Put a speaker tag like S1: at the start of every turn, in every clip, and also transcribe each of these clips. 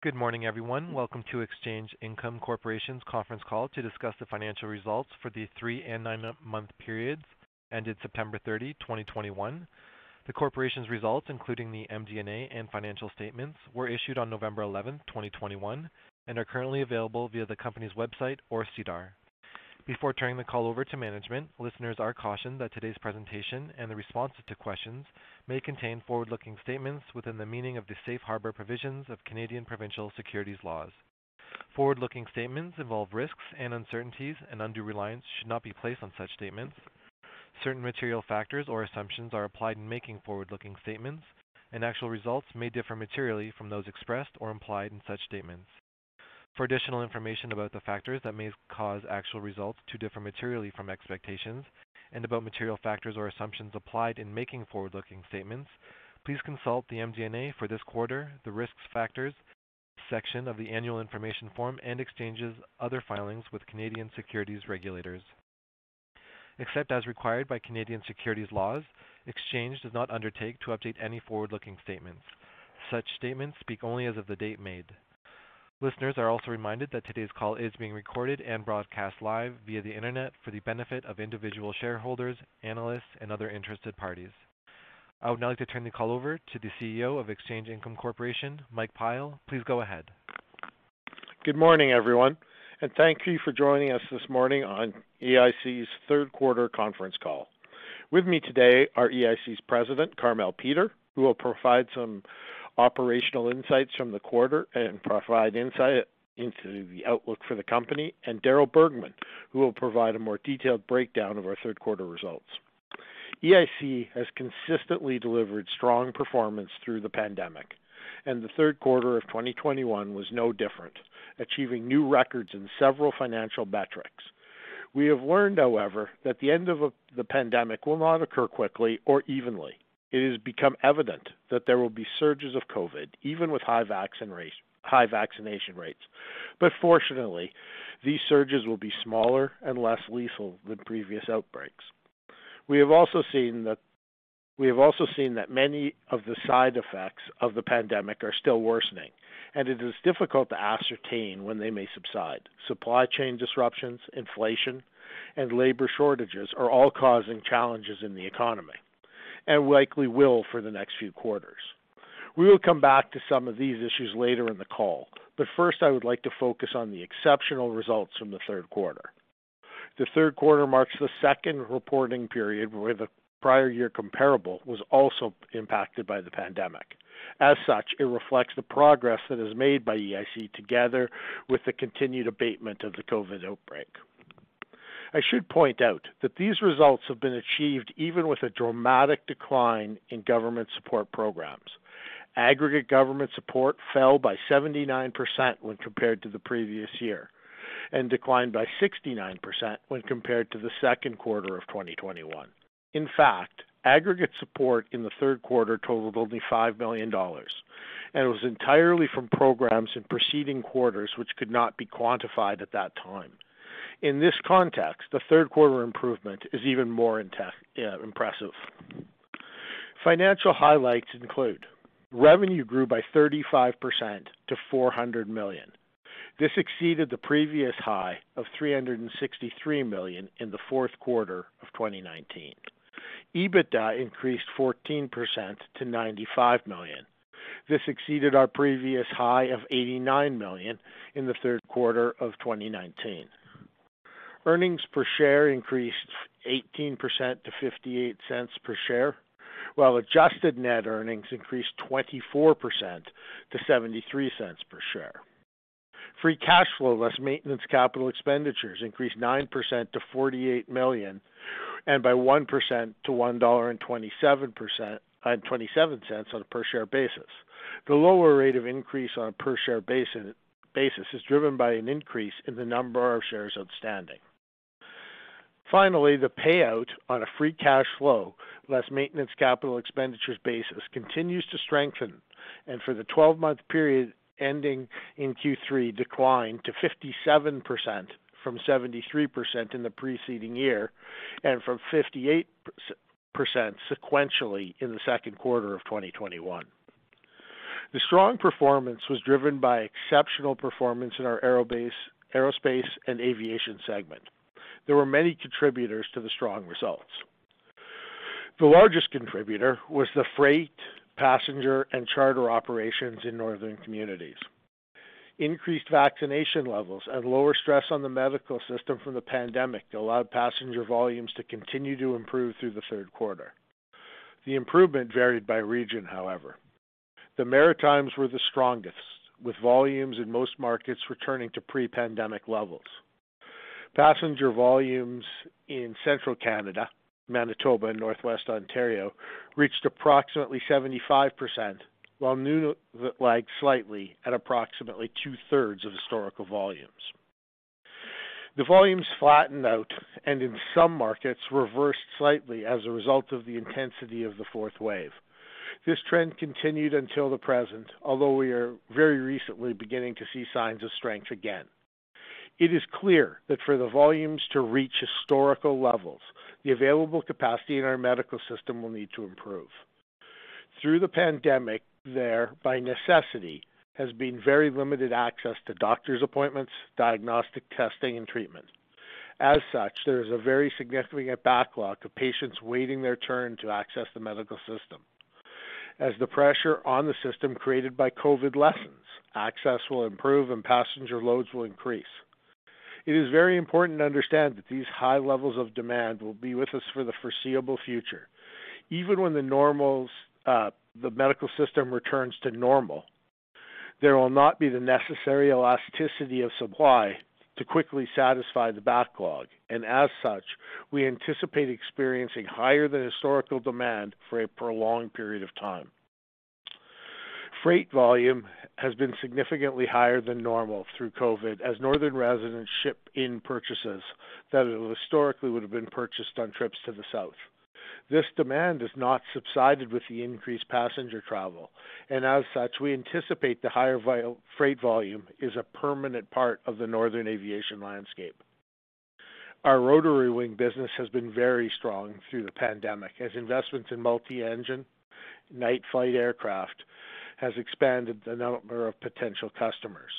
S1: Good morning, everyone. Welcome to Exchange Income Corporation's conference call to discuss the financial results for the three- and nine-month periods ended September 30, 2021. The corporation's results, including the MD&A and financial statements, were issued on November 11, 2021, and are currently available via the company's website or SEDAR. Before turning the call over to management, listeners are cautioned that today's presentation and the responses to questions may contain forward-looking statements within the meaning of the safe harbor provisions of Canadian provincial securities laws. Forward-looking statements involve risks and uncertainties and undue reliance should not be placed on such statements. Certain material factors or assumptions are applied in making forward-looking statements, and actual results may differ materially from those expressed or implied in such statements. For additional information about the factors that may cause actual results to differ materially from expectations and about material factors or assumptions applied in making forward-looking statements, please consult the MD&A for this quarter, the Risk Factors section of the Annual Information Form, and Exchange's other filings with Canadian securities regulators. Except as required by Canadian securities laws, Exchange does not undertake to update any forward-looking statements. Such statements speak only as of the date made. Listeners are also reminded that today's call is being recorded and broadcast live via the Internet for the benefit of individual shareholders, analysts, and other interested parties. I would now like to turn the call over to the CEO of Exchange Income Corporation, Mike Pyle. Please go ahead.
S2: Good morning, everyone, and thank you for joining us this morning on EIC's third quarter conference call. With me today are EIC's President, Carmele Peter, who will provide some operational insights from the quarter and provide insight into the outlook for the company, and Darryl Bergman, who will provide a more detailed breakdown of our third quarter results. EIC has consistently delivered strong performance through the pandemic, and the third quarter of 2021 was no different, achieving new records in several financial metrics. We have learned, however, that the end of the pandemic will not occur quickly or evenly. It has become evident that there will be surges of COVID even with high vaccination rates. Fortunately, these surges will be smaller and less lethal than previous outbreaks. We have also seen that many of the side effects of the pandemic are still worsening, and it is difficult to ascertain when they may subside. Supply chain disruptions, inflation, and labor shortages are all causing challenges in the economy and likely will for the next few quarters. We will come back to some of these issues later in the call, but first, I would like to focus on the exceptional results from the third quarter. The third quarter marks the second reporting period where the prior year comparable was also impacted by the pandemic. As such, it reflects the progress that is made by EIC together with the continued abatement of the COVID outbreak. I should point out that these results have been achieved even with a dramatic decline in government support programs. Aggregate government support fell by 79% when compared to the previous year and declined by 69% when compared to the second quarter of 2021. In fact, aggregate support in the third quarter totaled only 5 million dollars and was entirely from programs in preceding quarters, which could not be quantified at that time. In this context, the third quarter improvement is even more impressive. Financial highlights include revenue grew by 35% to 400 million. This exceeded the previous high of 363 million in the fourth quarter of 2019. EBITDA increased 14% to 95 million. This exceeded our previous high of 89 million in the third quarter of 2019. Earnings per share increased 18% to 0.58 per share, while adjusted net earnings increased 24% to 0.73 per share. Free cash flow, less maintenance capital expenditures, increased 9% to 48 million and by 1% to 1.27 dollar on a per share basis. The lower rate of increase on a per share basis is driven by an increase in the number of shares outstanding. Finally, the payout on a free cash flow less maintenance capital expenditures basis continues to strengthen, and for the 12-month period ending in Q3, declined to 57% from 73% in the preceding year and from 58% sequentially in the second quarter of 2021. The strong performance was driven by exceptional performance in our Aerospace and Aviation segment. There were many contributors to the strong results. The largest contributor was the freight, passenger, and charter operations in northern communities. Increased vaccination levels and lower stress on the medical system from the pandemic allowed passenger volumes to continue to improve through the third quarter. The improvement varied by region, however. The Maritimes were the strongest, with volumes in most markets returning to pre-pandemic levels. Passenger volumes in Central Canada, Manitoba and Northwest Ontario reached approximately 75%, while Nunavut lagged slightly at approximately 2/3 of historical volumes. The volumes flattened out and in some markets reversed slightly as a result of the intensity of the fourth wave. This trend continued until the present, although we are very recently beginning to see signs of strength again. It is clear that for the volumes to reach historical levels, the available capacity in our medical system will need to improve. Through the pandemic, there by necessity has been very limited access to doctor's appointments, diagnostic testing, and treatment. As such, there is a very significant backlog of patients waiting their turn to access the medical system. As the pressure on the system created by COVID lessens, access will improve and passenger loads will increase. It is very important to understand that these high levels of demand will be with us for the foreseeable future. Even when the medical system returns to normal, there will not be the necessary elasticity of supply to quickly satisfy the backlog. As such, we anticipate experiencing higher than historical demand for a prolonged period of time. Freight volume has been significantly higher than normal through COVID as northern residents ship in purchases that historically would have been purchased on trips to the south. This demand has not subsided with the increased passenger travel, and as such, we anticipate the higher freight volume is a permanent part of the northern aviation landscape. Our rotary wing business has been very strong through the pandemic as investments in multi-engine night flight aircraft has expanded the number of potential customers.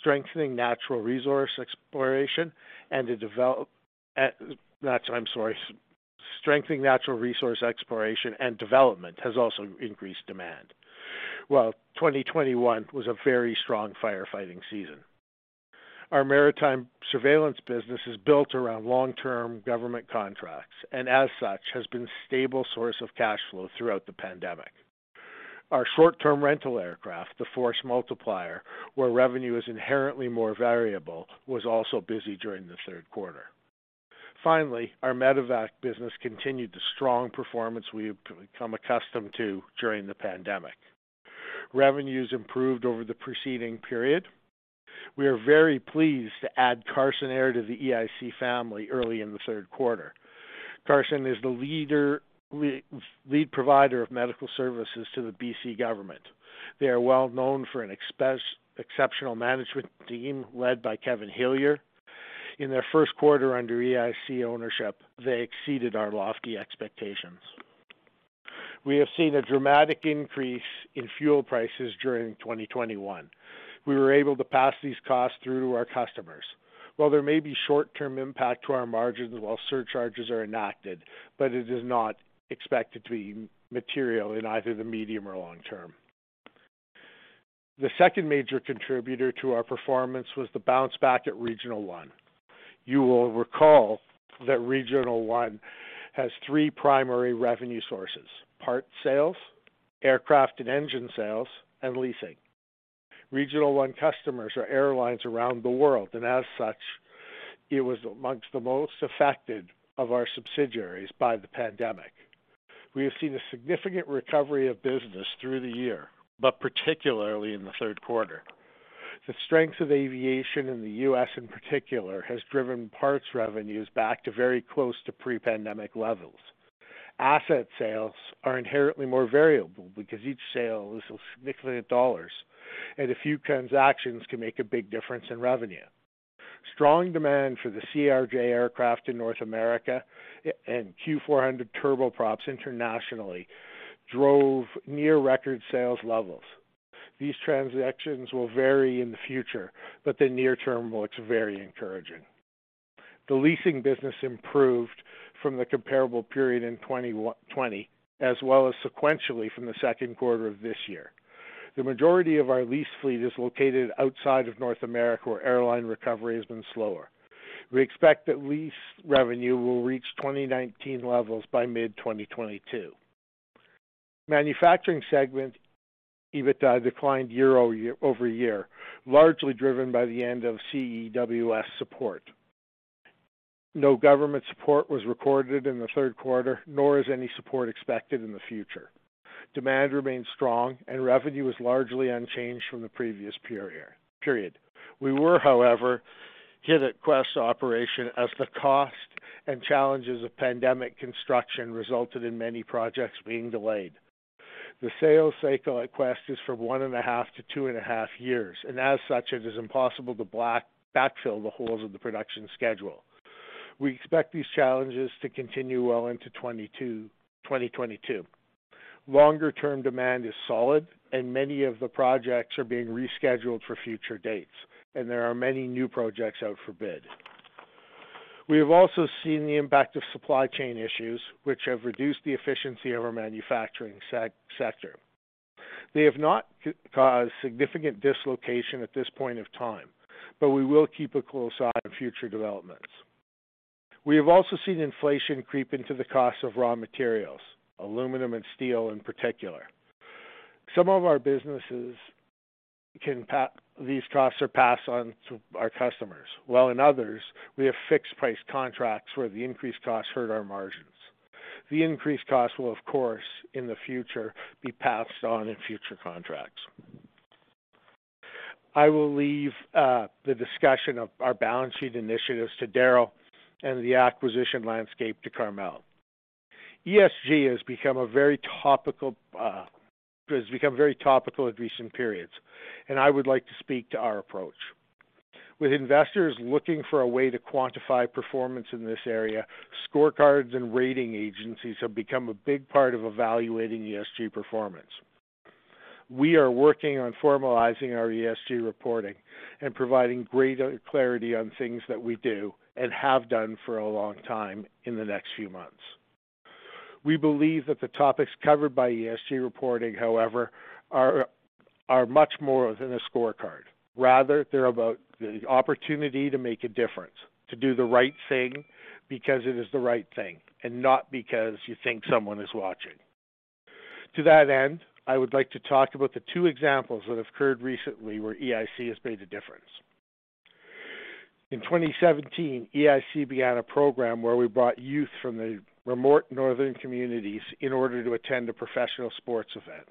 S2: Strengthening natural resource exploration and development has also increased demand, while 2021 was a very strong firefighting season. Our maritime surveillance business is built around long-term government contracts and as such has been a stable source of cash flow throughout the pandemic. Our short-term rental aircraft, the Force Multiplier, where revenue is inherently more variable, was also busy during the third quarter. Finally, our Medevac business continued the strong performance we have become accustomed to during the pandemic. Revenues improved over the preceding period. We are very pleased to add Carson Air to the EIC family early in the third quarter. Carson is the leading provider of medical services to the B.C. government. They are well known for an exceptional management team led by Kevin Hillier. In their first quarter under EIC ownership, they exceeded our lofty expectations. We have seen a dramatic increase in fuel prices during 2021. We were able to pass these costs through to our customers. While there may be short-term impact to our margins while surcharges are enacted, but it is not expected to be material in either the medium or long term. The second major contributor to our performance was the bounce back at Regional One. You will recall that Regional One has three primary revenue sources: parts sales, aircraft and engine sales, and leasing. Regional One customers are airlines around the world, and as such, it was among the most affected of our subsidiaries by the pandemic. We have seen a significant recovery of business through the year, but particularly in the third quarter. The strength of aviation in the U.S. in particular has driven parts revenues back to very close to pre-pandemic levels. Asset sales are inherently more variable because each sale is significant dollars, and a few transactions can make a big difference in revenue. Strong demand for the CRJ aircraft in North America and Q400 turboprops internationally drove near record sales levels. These transactions will vary in the future, but the near term looks very encouraging. The leasing business improved from the comparable period in 2021 and 2020 as well as sequentially from the second quarter of this year. The majority of our lease fleet is located outside of North America, where airline recovery has been slower. We expect that lease revenue will reach 2019 levels by mid-2022. Manufacturing segment EBITDA declined year-over-year, largely driven by the end of CEWS support. No government support was recorded in the third quarter, nor is any support expected in the future. Demand remains strong and revenue is largely unchanged from the previous period. We were, however, hit at Quest operation as the cost and challenges of pandemic construction resulted in many projects being delayed. The sales cycle at Quest is from one and a half to two and a half years, and as such it is impossible to backfill the holes of the production schedule. We expect these challenges to continue well into 2022. Longer-term demand is solid and many of the projects are being rescheduled for future dates and there are many new projects out for bid. We have also seen the impact of supply chain issues which have reduced the efficiency of our manufacturing sector. They have not caused significant dislocation at this point of time, but we will keep a close eye on future developments. We have also seen inflation creep into the cost of raw materials, aluminum and steel in particular. Some of our businesses can pass these costs on to our customers, while in others we have fixed price contracts where the increased costs hurt our margins. The increased costs will of course in the future be passed on in future contracts. I will leave the discussion of our balance sheet initiatives to Darryl and the acquisition landscape to Carmele. ESG has become a very topical in recent periods, and I would like to speak to our approach. With investors looking for a way to quantify performance in this area, scorecards and rating agencies have become a big part of evaluating ESG performance. We are working on formalizing our ESG reporting and providing greater clarity on things that we do and have done for a long time in the next few months. We believe that the topics covered by ESG reporting, however, are much more than a scorecard. Rather, they're about the opportunity to make a difference, to do the right thing because it is the right thing, and not because you think someone is watching. To that end, I would like to talk about the two examples that have occurred recently where EIC has made a difference. In 2017, EIC began a program where we brought youth from the remote northern communities in order to attend a professional sports event,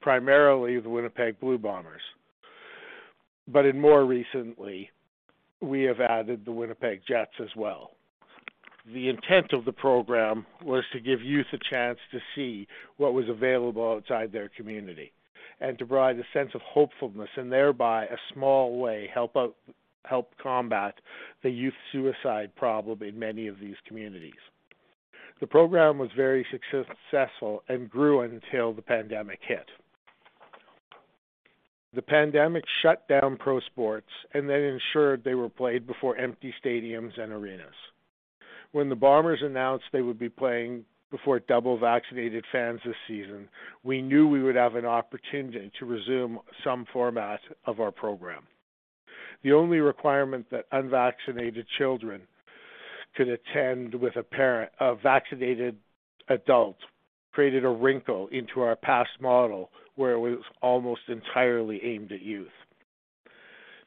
S2: primarily the Winnipeg Blue Bombers. In more recently, we have added the Winnipeg Jets as well. The intent of the program was to give youth a chance to see what was available outside their community and to provide a sense of hopefulness and thereby, a small way, help combat the youth suicide problem in many of these communities. The program was very successful and grew until the pandemic hit. The pandemic shut down pro sports and then ensured they were played before empty stadiums and arenas. When the Bombers announced they would be playing before double-vaccinated fans this season, we knew we would have an opportunity to resume some format of our program. The only requirement that unvaccinated children could attend with a parent, a vaccinated adult, created a wrinkle into our past model where it was almost entirely aimed at youth.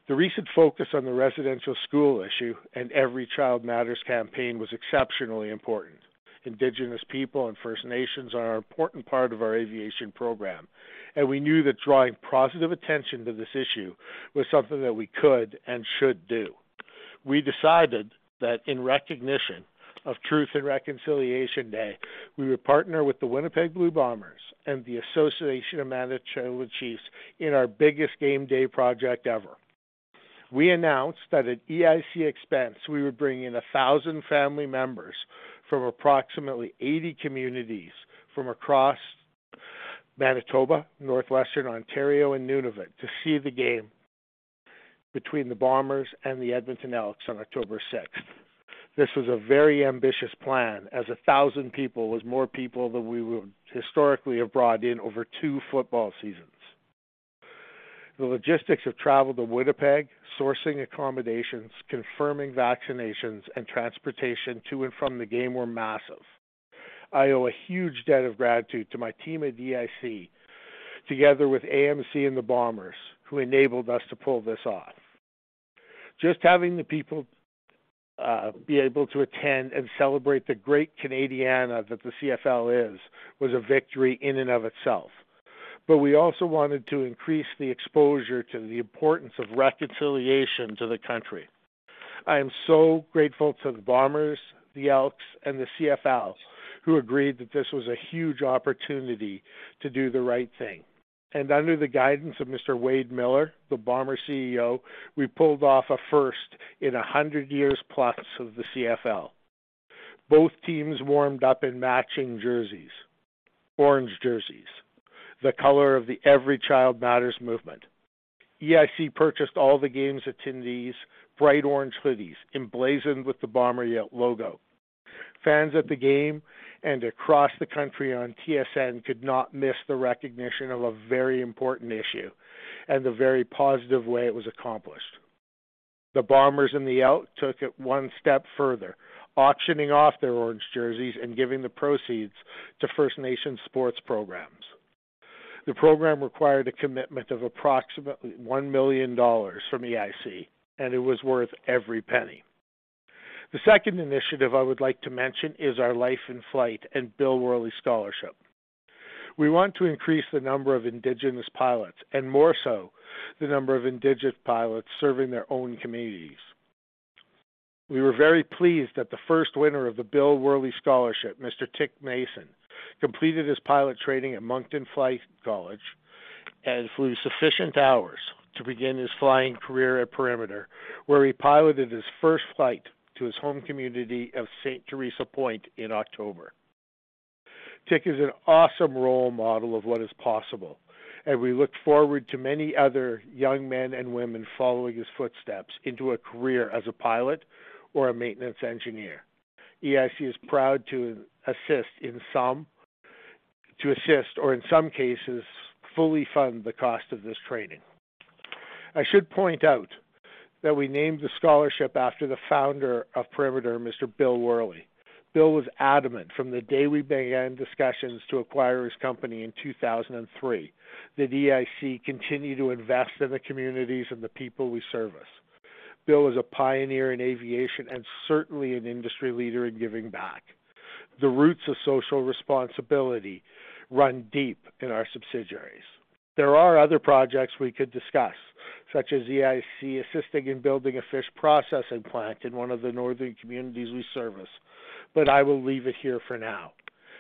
S2: The recent focus on the residential school issue and Every Child Matters campaign was exceptionally important. Indigenous people and First Nations are an important part of our aviation program, and we knew that drawing positive attention to this issue was something that we could and should do. We decided that in recognition of Truth and Reconciliation Day, we would partner with the Winnipeg Blue Bombers and the Assembly of Manitoba Chiefs in our biggest game day project ever. We announced that at EIC expense, we would bring in 1,000 family members from approximately 80 communities from across Manitoba, northwestern Ontario, and Nunavut to see the game between the Bombers and the Edmonton Elks on October 6. This was a very ambitious plan as 1,000 people was more people than we would historically have brought in over two football seasons. The logistics of travel to Winnipeg, sourcing accommodations, confirming vaccinations, and transportation to and from the game were massive. I owe a huge debt of gratitude to my team at EIC, together with AMC and the Bombers, who enabled us to pull this off. Just having the people be able to attend and celebrate the great Canadiana that the CFL is, was a victory in and of itself. We also wanted to increase the exposure to the importance of reconciliation to the country. I am so grateful to the Bombers, the Elks, and the CFL, who agreed that this was a huge opportunity to do the right thing. Under the guidance of Mr. Wade Miller, the Bombers CEO, we pulled off a first in a 100+ years of the CFL. Both teams warmed up in matching jerseys, orange jerseys, the color of the Every Child Matters movement. EIC purchased all the game's attendees bright orange hoodies emblazoned with the Bomber logo. Fans at the game and across the country on TSN could not miss the recognition of a very important issue and the very positive way it was accomplished. The Bombers and the Elks took it one step further, auctioning off their orange jerseys and giving the proceeds to First Nations sports programs. The program required a commitment of approximately 1 million dollars from EIC, and it was worth every penny. The second initiative I would like to mention is our Life in Flight and Bill Wehrle Scholarship. We want to increase the number of Indigenous pilots, and more so, the number of Indigenous pilots serving their own communities. We were very pleased that the first winner of the Bill Wehrle Scholarship, Mr. Tik Mason, completed his pilot training at Moncton Flight College and flew sufficient hours to begin his flying career at Perimeter, where he piloted his first flight to his home community of St. Theresa Point in October. Tik is an awesome role model of what is possible, and we look forward to many other young men and women following his footsteps into a career as a pilot or a maintenance engineer. EIC is proud to assist or in some cases, fully fund the cost of this training. I should point out that we named the scholarship after the founder of Perimeter, Mr. Bill Wehrle. Bill was adamant from the day we began discussions to acquire his company in 2003 that EIC continue to invest in the communities and the people we service. Bill is a pioneer in aviation and certainly an industry leader in giving back. The roots of social responsibility run deep in our subsidiaries. There are other projects we could discuss. Such as EIC assisting in building a fish processing plant in one of the northern communities we service. But I will leave it here for now.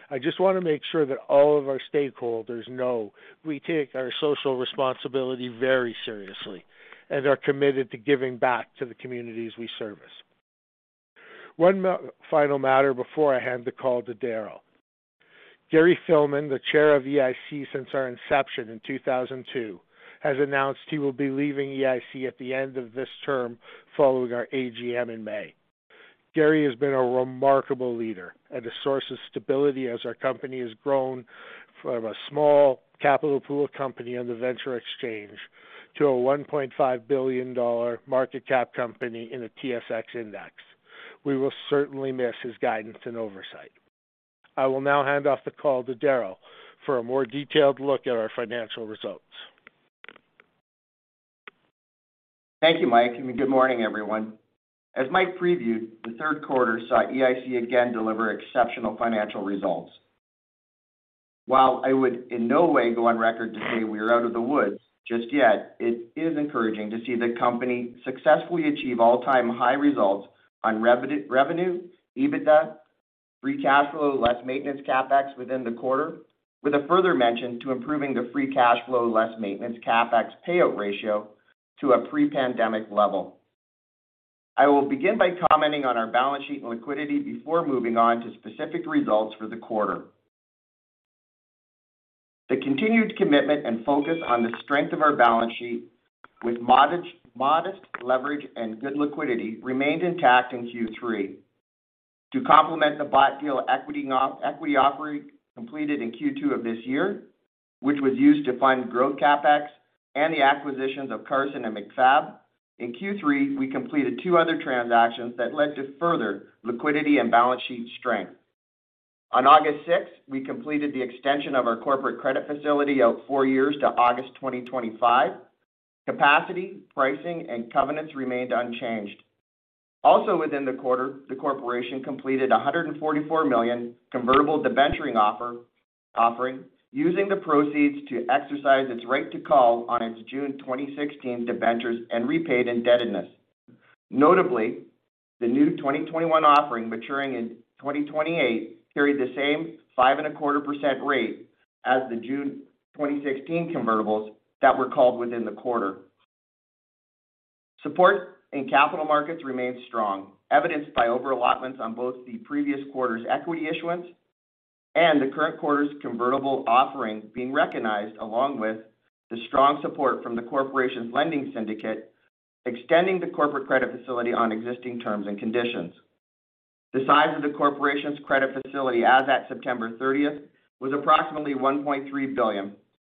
S2: I just wanna make sure that all of our stakeholders know we take our social responsibility very seriously, and are committed to giving back to the communities we service. One final matter before I hand the call to Darryl. Gary Filmon, the Chair of EIC since our inception in 2002, has announced he will be leaving EIC at the end of this term, following our AGM in May. Gary has been a remarkable leader and a source of stability as our company has grown from a small capital pool company on the venture exchange to a 1.5 billion dollar market cap company in the TSX index. We will certainly miss his guidance and oversight. I will now hand off the call to Darryl for a more detailed look at our financial results.
S3: Thank you, Mike, and good morning, everyone. As Mike previewed, the third quarter saw EIC again deliver exceptional financial results. While I would in no way go on record to say we are out of the woods just yet, it is encouraging to see the company successfully achieve all-time high results on revenue, EBITDA, free cash flow, less maintenance CapEx within the quarter, with a further mention to improving the free cash flow, less maintenance CapEx payout ratio to a pre-pandemic level. I will begin by commenting on our balance sheet and liquidity before moving on to specific results for the quarter. The continued commitment and focus on the strength of our balance sheet with modest leverage and good liquidity remained intact in Q3. To complement the bought deal equity offering completed in Q2 of this year, which was used to fund growth CapEx and the acquisitions of Carson Air and MacFab, in Q3, we completed two other transactions that led to further liquidity and balance sheet strength. On August 6, we completed the extension of our corporate credit facility out four years to August 2025. Capacity, pricing, and covenants remained unchanged. Also within the quarter, the corporation completed a 144 million convertible debenture offering, using the proceeds to exercise its right to call on its June 2016 debentures and repaid indebtedness. Notably, the new 2021 offering maturing in 2028 carried the same 5.25% rate as the June 2016 convertibles that were called within the quarter. Support in capital markets remains strong, evidenced by over-allotments on both the previous quarter's equity issuance and the current quarter's convertible offering being recognized along with the strong support from the corporation's lending syndicate, extending the corporate credit facility on existing terms and conditions. The size of the corporation's credit facility as at September 30th was approximately 1.3 billion,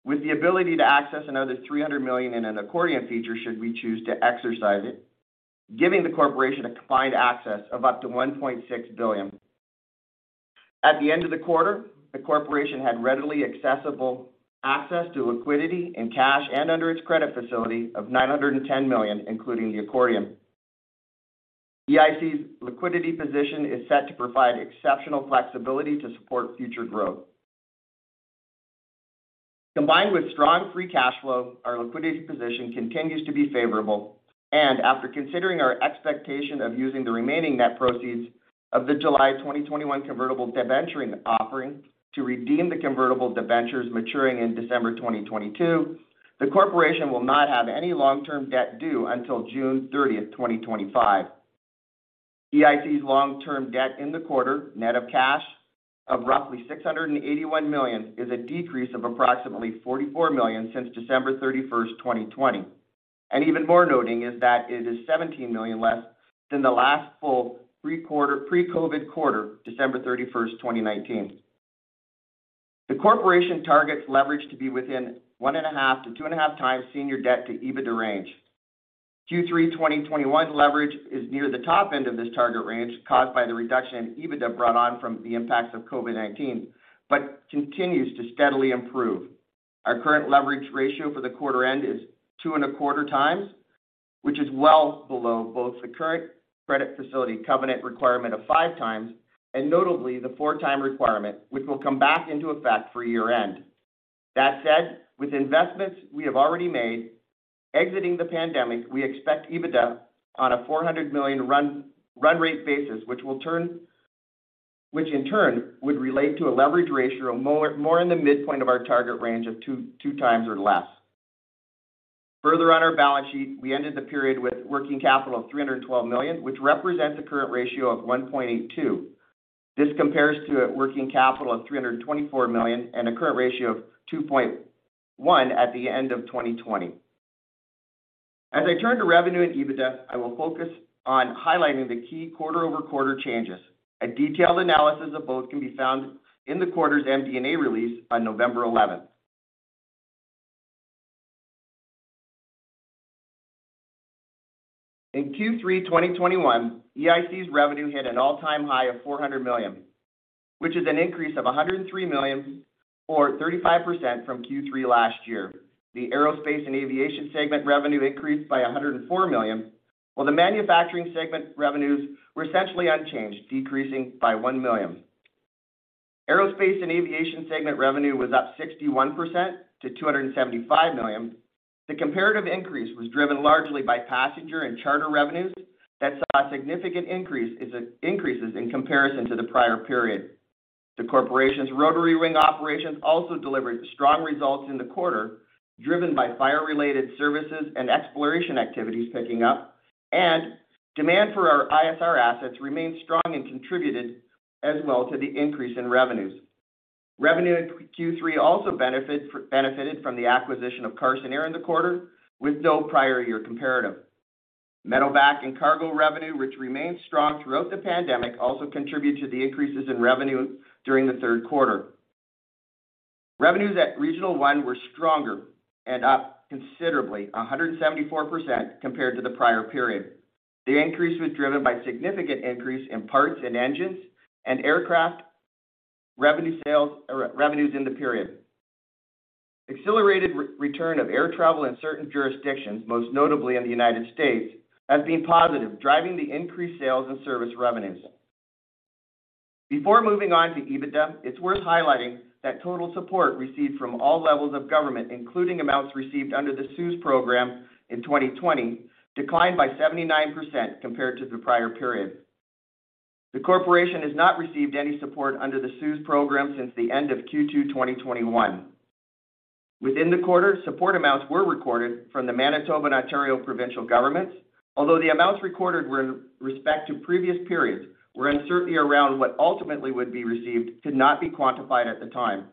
S3: with the ability to access another 300 million in an accordion feature should we choose to exercise it, giving the corporation a combined access of up to 1.6 billion. At the end of the quarter, the corporation had readily accessible access to liquidity and cash and under its credit facility of 910 million, including the accordion. EIC's liquidity position is set to provide exceptional flexibility to support future growth. Combined with strong free cash flow, our liquidity position continues to be favorable. After considering our expectation of using the remaining net proceeds of the July 2021 convertible debenture offering to redeem the convertible debentures maturing in December 2022, the corporation will not have any long-term debt due until June 30th, 2025. EIC's long-term debt in the quarter, net of cash of roughly 681 million, is a decrease of approximately 44 million since December 31st, 2020. Even more noteworthy is that it is 17 million less than the last full pre-COVID quarter, December 31st, 2019. The corporation targets leverage to be within 1.5x-2.5x senior debt to EBITDA range. Q3 2021 leverage is near the top end of this target range, caused by the reduction in EBITDA brought on from the impacts of COVID-19, but continues to steadily improve. Our current leverage ratio for the quarter end is 2.25x, which is well below both the current credit facility covenant requirement of 5x and notably the 4x requirement, which will come back into effect for year-end. That said, with investments we have already made exiting the pandemic, we expect EBITDA on a 400 million run rate basis, which in turn would relate to a leverage ratio more in the midpoint of our target range of 2x or less. Further on our balance sheet, we ended the period with working capital of 312 million, which represents a current ratio of 1.82x. This compares to a working capital of 324 million and a current ratio of 2.1x at the end of 2020. As I turn to revenue and EBITDA, I will focus on highlighting the key quarter-over-quarter changes. A detailed analysis of both can be found in the quarter's MD&A release on November 11th. In Q3 2021, EIC's revenue hit an all-time high of 400 million, which is an increase of 103 million or 35% from Q3 last year. The Aerospace and Aviation segment revenue increased by 104 million, while the manufacturing segment revenues were essentially unchanged, decreasing by 1 million. Aerospace and Aviation segment revenue was up 61% to 275 million. The comparative increase was driven largely by passenger and charter revenues that saw significant increases in comparison to the prior period. The corporation's rotary wing operations also delivered strong results in the quarter, driven by fire-related services and exploration activities picking up, and demand for our ISR assets remained strong and contributed as well to the increase in revenues. Revenue in Q3 also benefited from the acquisition of Carson Air in the quarter with no prior year comparative. Medevac and cargo revenue, which remained strong throughout the pandemic, also contributed to the increases in revenue during the third quarter. Revenues at Regional One were stronger and up considerably, 174% compared to the prior period. The increase was driven by significant increase in parts and engines and aircraft revenue sales, or revenues in the period. Accelerated return of air travel in certain jurisdictions, most notably in the United States, has been positive, driving the increased sales and service revenues. Before moving on to EBITDA, it's worth highlighting that total support received from all levels of government, including amounts received under the CEWS program in 2020, declined by 79% compared to the prior period. The corporation has not received any support under the CEWS program since the end of Q2 2021. Within the quarter, support amounts were recorded from the Manitoba and Ontario provincial governments. Although the amounts recorded were in respect to previous periods where uncertainty around what ultimately would be received could not be quantified at the time.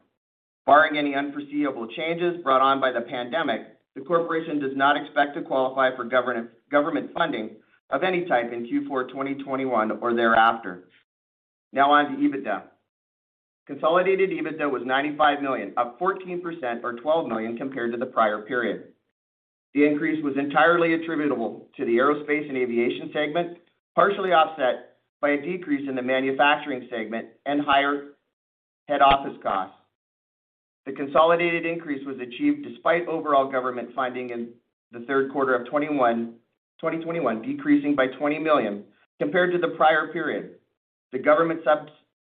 S3: Barring any unforeseeable changes brought on by the pandemic, the corporation does not expect to qualify for government funding of any type in Q4 2021 or thereafter. Now on to EBITDA. Consolidated EBITDA was 95 million, up 14% or 12 million compared to the prior period. The increase was entirely attributable to the Aerospace and Aviation segment, partially offset by a decrease in the Manufacturing segment and higher head office costs. The consolidated increase was achieved despite overall government funding in the third quarter of 2021 decreasing by 20 million compared to the prior period.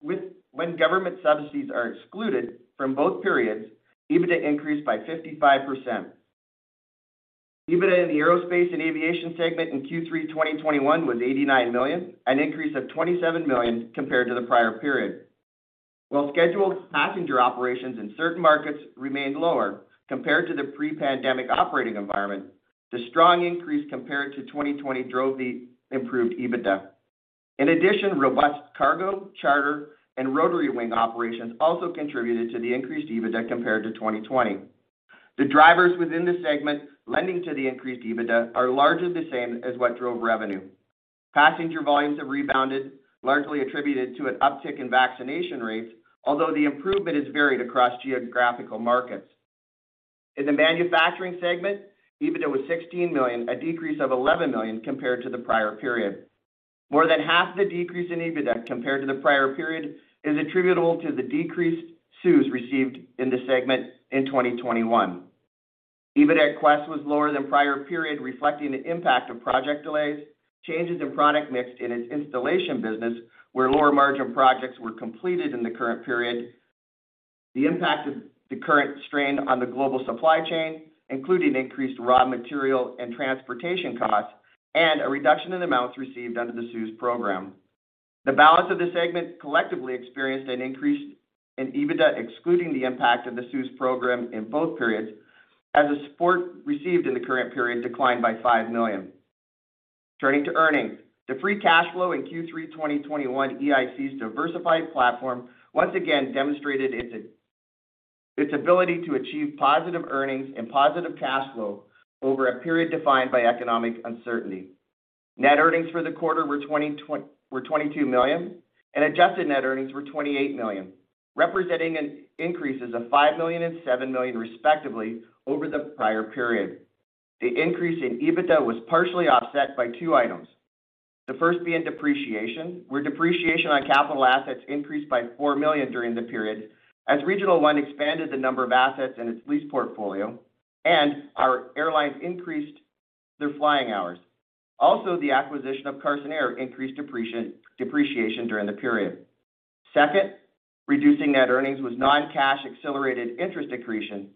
S3: When government subsidies are excluded from both periods, EBITDA increased by 55%. EBITDA in the Aerospace and Aviation segment in Q3 2021 with 89 million, an increase of 27 million compared to the prior period. While scheduled passenger operations in certain markets remained lower compared to the pre-pandemic operating environment, the strong increase compared to 2020 drove the improved EBITDA. In addition, robust cargo, charter, and rotary wing operations also contributed to the increased EBITDA compared to 2020. The drivers within the segment leading to the increased EBITDA are largely the same as what drove revenue. Passenger volumes have rebounded, largely attributed to an uptick in vaccination rates, although the improvement is varied across geographical markets. In the manufacturing segment, EBITDA was 16 million, a decrease of 11 million compared to the prior period. More than half the decrease in EBITDA compared to the prior period is attributable to the decreased CEWS received in the segment in 2021. EBITDA at Quest was lower than prior period, reflecting the impact of project delays, changes in product mix in its installation business, where lower margin projects were completed in the current period, the impact of the current strain on the global supply chain, including increased raw material and transportation costs, and a reduction in amounts received under the CEWS program. The balance of the segment collectively experienced an increase in EBITDA, excluding the impact of the CEWS program in both periods, as the support received in the current period declined by 5 million. Turning to earnings. The free cash flow in Q3 2021, EIC's diversified platform once again demonstrated its ability to achieve positive earnings and positive cash flow over a period defined by economic uncertainty. Net earnings for the quarter were 22 million, and adjusted net earnings were 28 million, representing an increases of 5 million and 7 million, respectively, over the prior period. The increase in EBITDA was partially offset by two items. The first being depreciation, where depreciation on capital assets increased by 4 million during the period as Regional One expanded the number of assets in its lease portfolio and our airlines increased their flying hours. Also, the acquisition of Carson Air increased depreciation during the period. Second, reducing net earnings was non-cash accelerated interest accretion,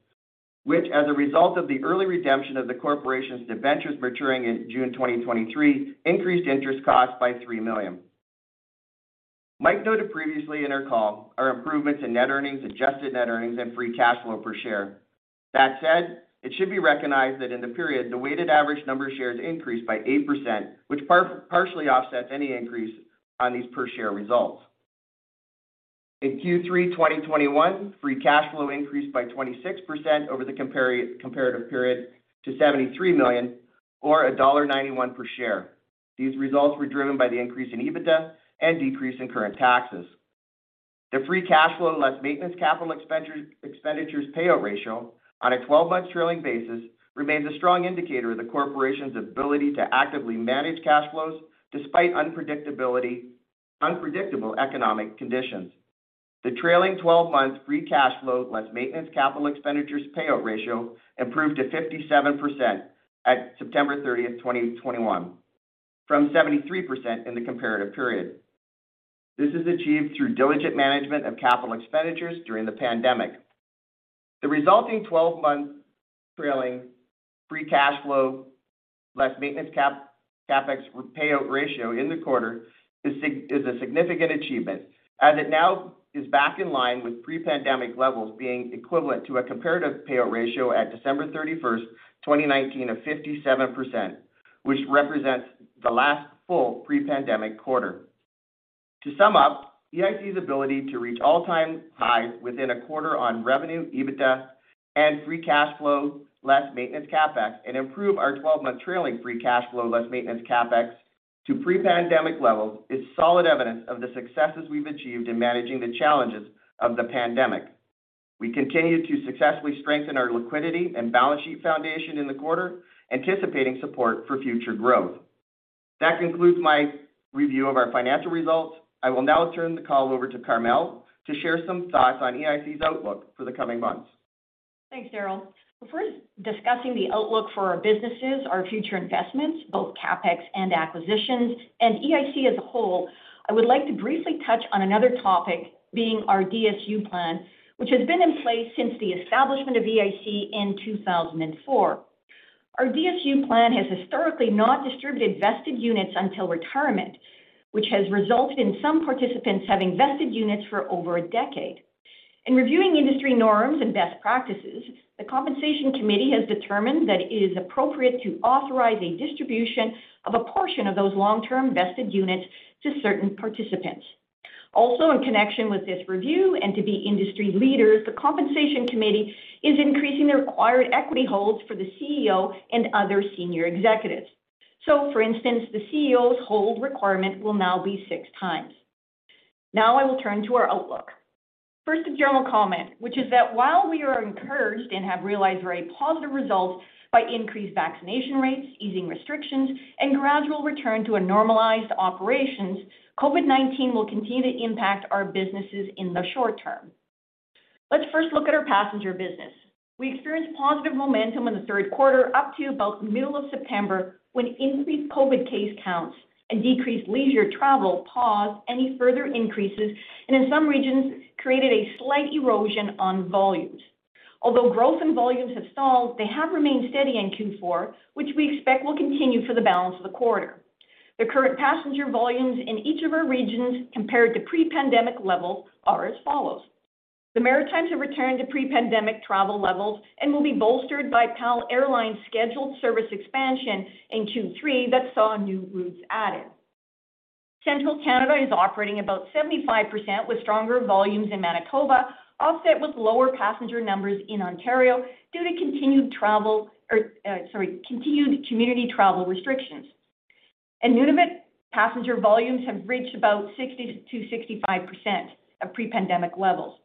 S3: which as a result of the early redemption of the corporation's debentures maturing in June 2023, increased interest costs by 3 million. Mike noted previously in our call our improvements in net earnings, adjusted net earnings and free cash flow per share. That said, it should be recognized that in the period, the weighted average number of shares increased by 8%, which partially offsets any increase on these per share results. In Q3 2021, free cash flow increased by 26% over the comparative period to 73 million or dollar 1.91 per share. These results were driven by the increase in EBITDA and decrease in current taxes. The free cash flow less maintenance capital expenditures payout ratio on a 12-month trailing basis remains a strong indicator of the corporation's ability to actively manage cash flows despite unpredictable economic conditions. The trailing 12 months free cash flow less maintenance capital expenditures payout ratio improved to 57% at September 30th, 2021, from 73% in the comparative period. This is achieved through diligent management of capital expenditures during the pandemic. The resulting 12-month trailing free cash flow less maintenance CapEx payout ratio in the quarter is a significant achievement as it now is back in line with pre-pandemic levels being equivalent to a comparative payout ratio at December 31st, 2019 of 57%, which represents the last full pre-pandemic quarter. To sum up, EIC's ability to reach all-time highs within a quarter on revenue, EBITDA and free cash flow, less maintenance CapEx and improve our twelve-month trailing free cash flow less maintenance CapEx to pre-pandemic levels is solid evidence of the successes we've achieved in managing the challenges of the pandemic. We continued to successfully strengthen our liquidity and balance sheet foundation in the quarter, anticipating support for future growth. That concludes my review of our financial results. I will now turn the call over to Carmele to share some thoughts on EIC's outlook for the coming months.
S4: Thanks, Darryl. Before discussing the outlook for our businesses, our future investments, both CapEx and acquisitions, and EIC as a whole, I would like to briefly touch on another topic being our DSU plan, which has been in place since the establishment of EIC in 2004. Our DSU plan has historically not distributed vested units until retirement, which has resulted in some participants having vested units for over a decade. In reviewing industry norms and best practices, the Compensation Committee has determined that it is appropriate to authorize a distribution of a portion of those long-term vested units to certain participants. Also, in connection with this review and to be industry leaders, the Compensation Committee is increasing the required equity holds for the CEO and other senior executives. For instance, the CEO's hold requirement will now be 6x. Now I will turn to our outlook. First, a general comment, which is that while we are encouraged and have realized very positive results by increased vaccination rates, easing restrictions, and gradual return to a normalized operations, COVID-19 will continue to impact our businesses in the short term. Let's first look at our passenger business. We experienced positive momentum in the third quarter, up to about middle of September, when increased COVID case counts and decreased leisure travel paused any further increases, and in some regions created a slight erosion on volumes. Although growth in volumes have stalled, they have remained steady in Q4, which we expect will continue for the balance of the quarter. The current passenger volumes in each of our regions compared to pre-pandemic levels are as follows: The Maritimes have returned to pre-pandemic travel levels and will be bolstered by PAL Airlines' scheduled service expansion in Q3 that saw new routes added. Central Canada is operating about 75% with stronger volumes in Manitoba, offset with lower passenger numbers in Ontario due to continued community travel restrictions. In Nunavut, passenger volumes have reached about 60%-65% of pre-pandemic levels.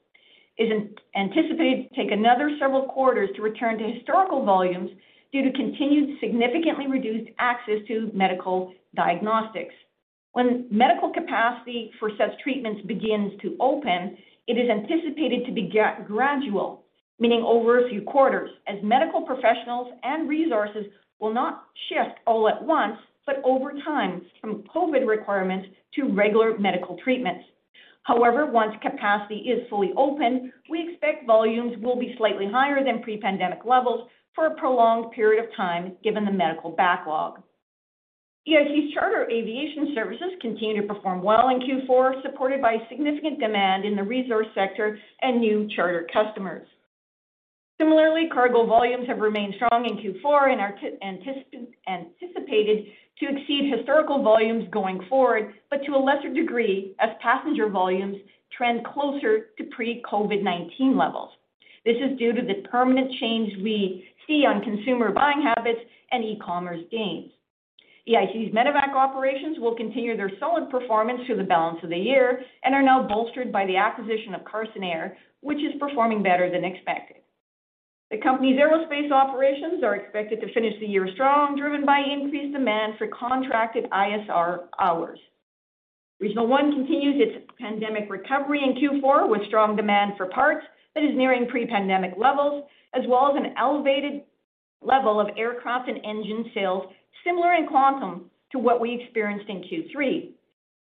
S4: It is anticipated to take another several quarters to return to historical volumes due to continued significantly reduced access to medical diagnostics. When medical capacity for such treatments begins to open, it is anticipated to be gradual, meaning over a few quarters, as medical professionals and resources will not shift all at once, but over time from COVID requirements to regular medical treatments. However, once capacity is fully open, we expect volumes will be slightly higher than pre-pandemic levels for a prolonged period of time, given the medical backlog. EIC's charter aviation services continued to perform well in Q4, supported by significant demand in the resource sector and new charter customers. Similarly, cargo volumes have remained strong in Q4 and are anticipated to exceed historical volumes going forward, but to a lesser degree as passenger volumes trend closer to pre-COVID-19 levels. This is due to the permanent change we see on consumer buying habits and e-commerce gains. EIC's Medevac operations will continue their solid performance through the balance of the year and are now bolstered by the acquisition of Carson Air, which is performing better than expected. The company's aerospace operations are expected to finish the year strong, driven by increased demand for contracted ISR hours. Regional One continues its pandemic recovery in Q4 with strong demand for parts that is nearing pre-pandemic levels, as well as an elevated level of aircraft and engine sales similar in quantum to what we experienced in Q3.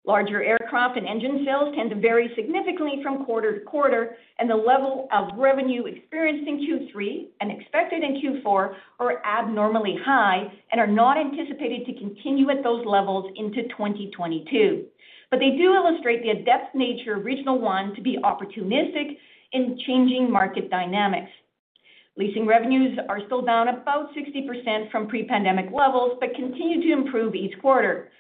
S4: Larger aircraft and engine sales tend to vary significantly from quarter-to-quarter, and the level of revenue experienced in Q3 and expected in Q4 are abnormally high and are not anticipated to continue at those levels into 2022. They do illustrate the adept nature of Regional One to be opportunistic in changing market dynamics. Leasing revenues are still down about 60% from pre-pandemic levels, but continue to improve each quarter.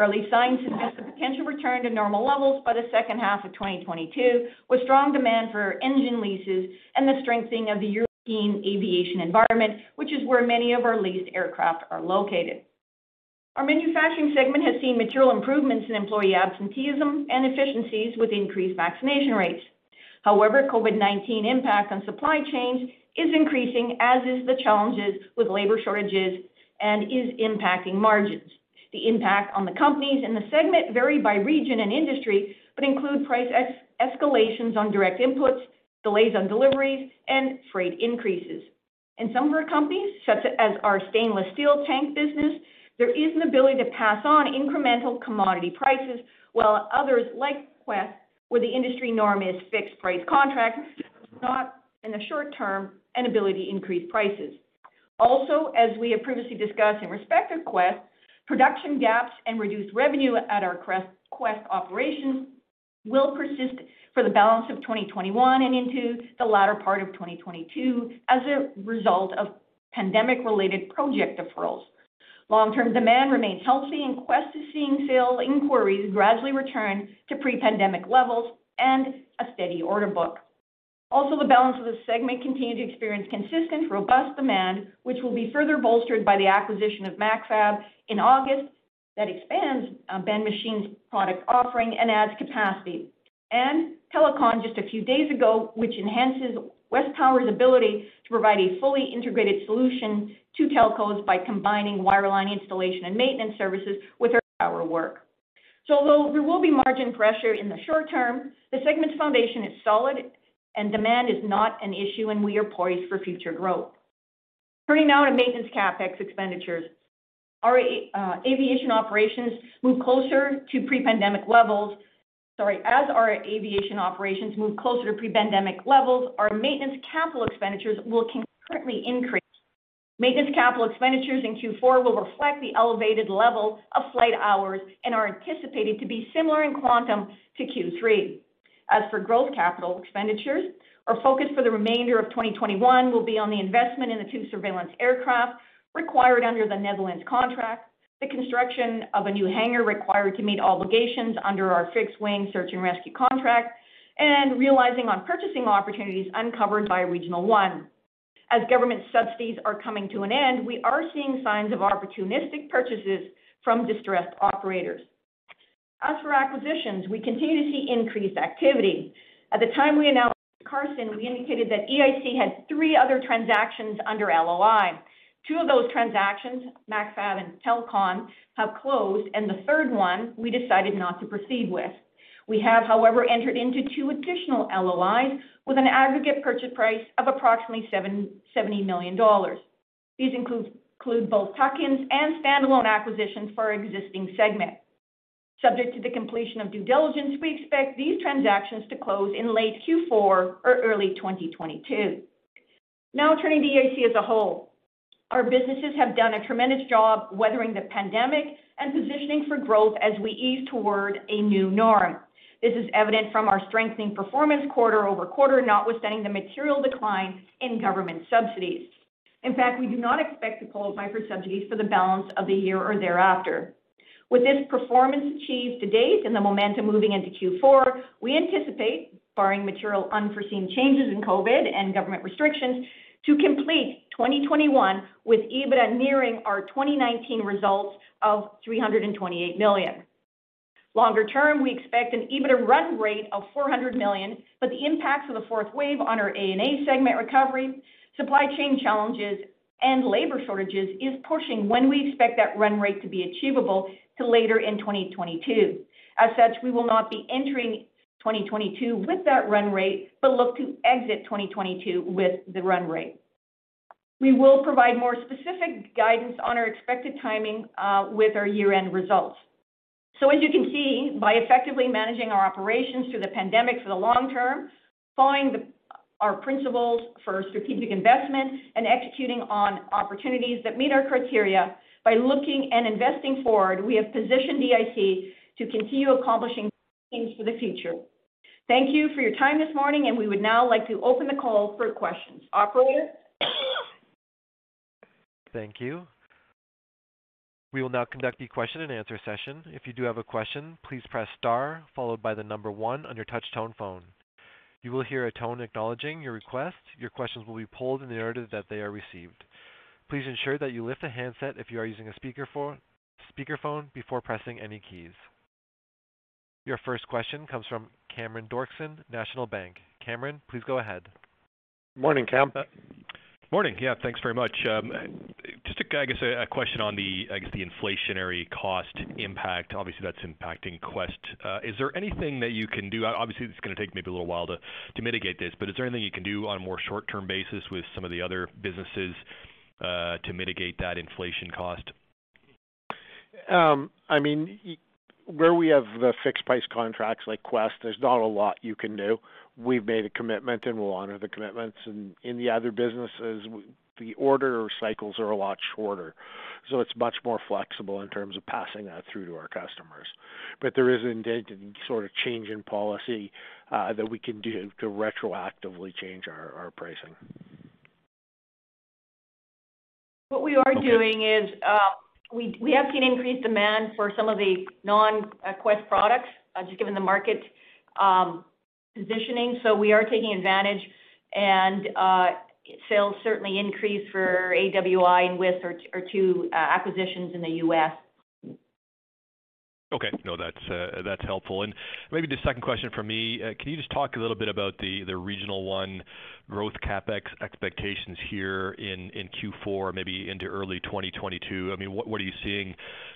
S4: Early signs suggest a potential return to normal levels by the second half of 2022, with strong demand for engine leases and the strengthening of the European aviation environment, which is where many of our leased aircraft are located. Our manufacturing segment has seen material improvements in employee absenteeism and efficiencies with increased vaccination rates. However, COVID-19 impact on supply chains is increasing, as is the challenges with labor shortages and is impacting margins. The impact on the companies in the segment vary by region and industry, but include price escalations on direct inputs, delays on deliveries, and freight increases. In some of our companies, such as our stainless steel tank business, there is an ability to pass on incremental commodity prices, while others like Quest, where the industry norm is fixed price contracts, not in the short term an ability to increase prices. As we have previously discussed in respect to Quest, production gaps and reduced revenue at our Quest operations will persist for the balance of 2021 and into the latter part of 2022 as a result of pandemic related project deferrals. Long-term demand remains healthy and Quest is seeing sales inquiries gradually return to pre-pandemic levels and a steady order book. The balance of the segment continued to experience consistent, robust demand, which will be further bolstered by the acquisition of MacFab in August that expands Ben Machine's product offering and adds capacity, Telcon just a few days ago, which enhances WesTower's ability to provide a fully integrated solution to telcos by combining wireline installation and maintenance services with our power work. Although there will be margin pressure in the short term, the segment's foundation is solid and demand is not an issue, and we are poised for future growth. Turning now to maintenance CapEx expenditures. As our aviation operations move closer to pre-pandemic levels, our maintenance capital expenditures will concurrently increase. Maintenance capital expenditures in Q4 will reflect the elevated level of flight hours and are anticipated to be similar in quantum to Q3. As for growth capital expenditures, our focus for the remainder of 2021 will be on the investment in the two surveillance aircraft required under the Netherlands contract, the construction of a new hangar required to meet obligations under our fixed-wing search and rescue contract, and realizing on purchasing opportunities uncovered by Regional One. As government subsidies are coming to an end, we are seeing signs of opportunistic purchases from distressed operators. As for acquisitions, we continue to see increased activity. At the time we announced Carson, we indicated that EIC had three other transactions under LOI. Two of those transactions, MacFab and Telcon, have closed, and the third one we decided not to proceed with. We have, however, entered into two additional LOIs with an aggregate purchase price of approximately 770 million dollars. These include both tuck-ins and standalone acquisitions for our existing segment. Subject to the completion of due diligence, we expect these transactions to close in late Q4 or early 2022. Now turning to EIC as a whole. Our businesses have done a tremendous job weathering the pandemic and positioning for growth as we ease toward a new norm. This is evident from our strengthening performance quarter-over-quarter, notwithstanding the material decline in government subsidies. In fact, we do not expect to qualify for subsidies for the balance of the year or thereafter. With this performance achieved to date and the momentum moving into Q4, we anticipate, barring material unforeseen changes in COVID and government restrictions, to complete 2021 with EBITDA nearing our 2019 results of 328 million. Longer-term, we expect an EBITDA run rate of 400 million, but the impacts of the fourth wave on our A&A segment recovery, supply chain challenges, and labor shortages is pushing when we expect that run rate to be achievable to later in 2022. As such, we will not be entering 2022 with that run rate, but look to exit 2022 with the run rate. We will provide more specific guidance on our expected timing with our year-end results. As you can see, by effectively managing our operations through the pandemic for the long term, following our principles for strategic investment and executing on opportunities that meet our criteria, by looking and investing forward, we have positioned EIC to continue accomplishing things for the future. Thank you for your time this morning, and we would now like to open the call for questions. Operator?
S1: Thank you. We will now conduct the question-and-answer session. If you do have a question, please press star followed by the number one on your touch tone phone. You will hear a tone acknowledging your request. Your questions will be polled in the order that they are received. Please ensure that you lift a handset if you are using a speakerphone before pressing any keys. Your first question comes from Cameron Doerksen, National Bank. Cameron, please go ahead.
S2: Morning, Cam.
S5: Morning. Yeah, thanks very much. Just, I guess a question on the, I guess the inflationary cost impact. Obviously, that's impacting Quest. Is there anything that you can do? Obviously, this is gonna take maybe a little while to mitigate this, but is there anything you can do on a more short-term basis with some of the other businesses to mitigate that inflation cost?
S2: I mean, where we have the fixed price contracts like Quest, there's not a lot you can do. We've made a commitment and we'll honor the commitments. In the other businesses, the order cycles are a lot shorter, so it's much more flexible in terms of passing that through to our customers. But there isn't any sort of change in policy that we can do to retroactively change our pricing.
S4: What we are doing is, we have seen increased demand for some of the non-Quest products, just given the market positioning. We are taking advantage and sales certainly increased for AWI and WIS, are two acquisitions in the U.S.
S5: Okay. No, that's helpful. Maybe the second question from me, can you just talk a little bit about the Regional One growth CapEx expectations here in Q4, maybe into early 2022? I mean, what are you seeing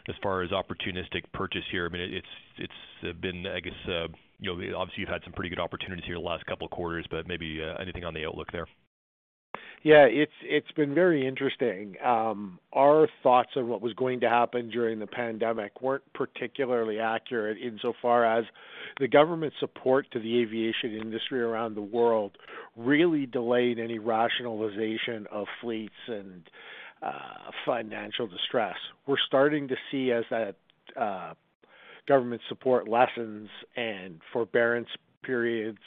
S5: as far as opportunistic purchase here? I mean, it's been, I guess, you know, obviously you've had some pretty good opportunities here the last couple of quarters, but maybe anything on the outlook there?
S2: Yeah, it's been very interesting. Our thoughts of what was going to happen during the pandemic weren't particularly accurate insofar as the government support to the aviation industry around the world really delayed any rationalization of fleets and financial distress. We're starting to see as that government support lessens and forbearance periods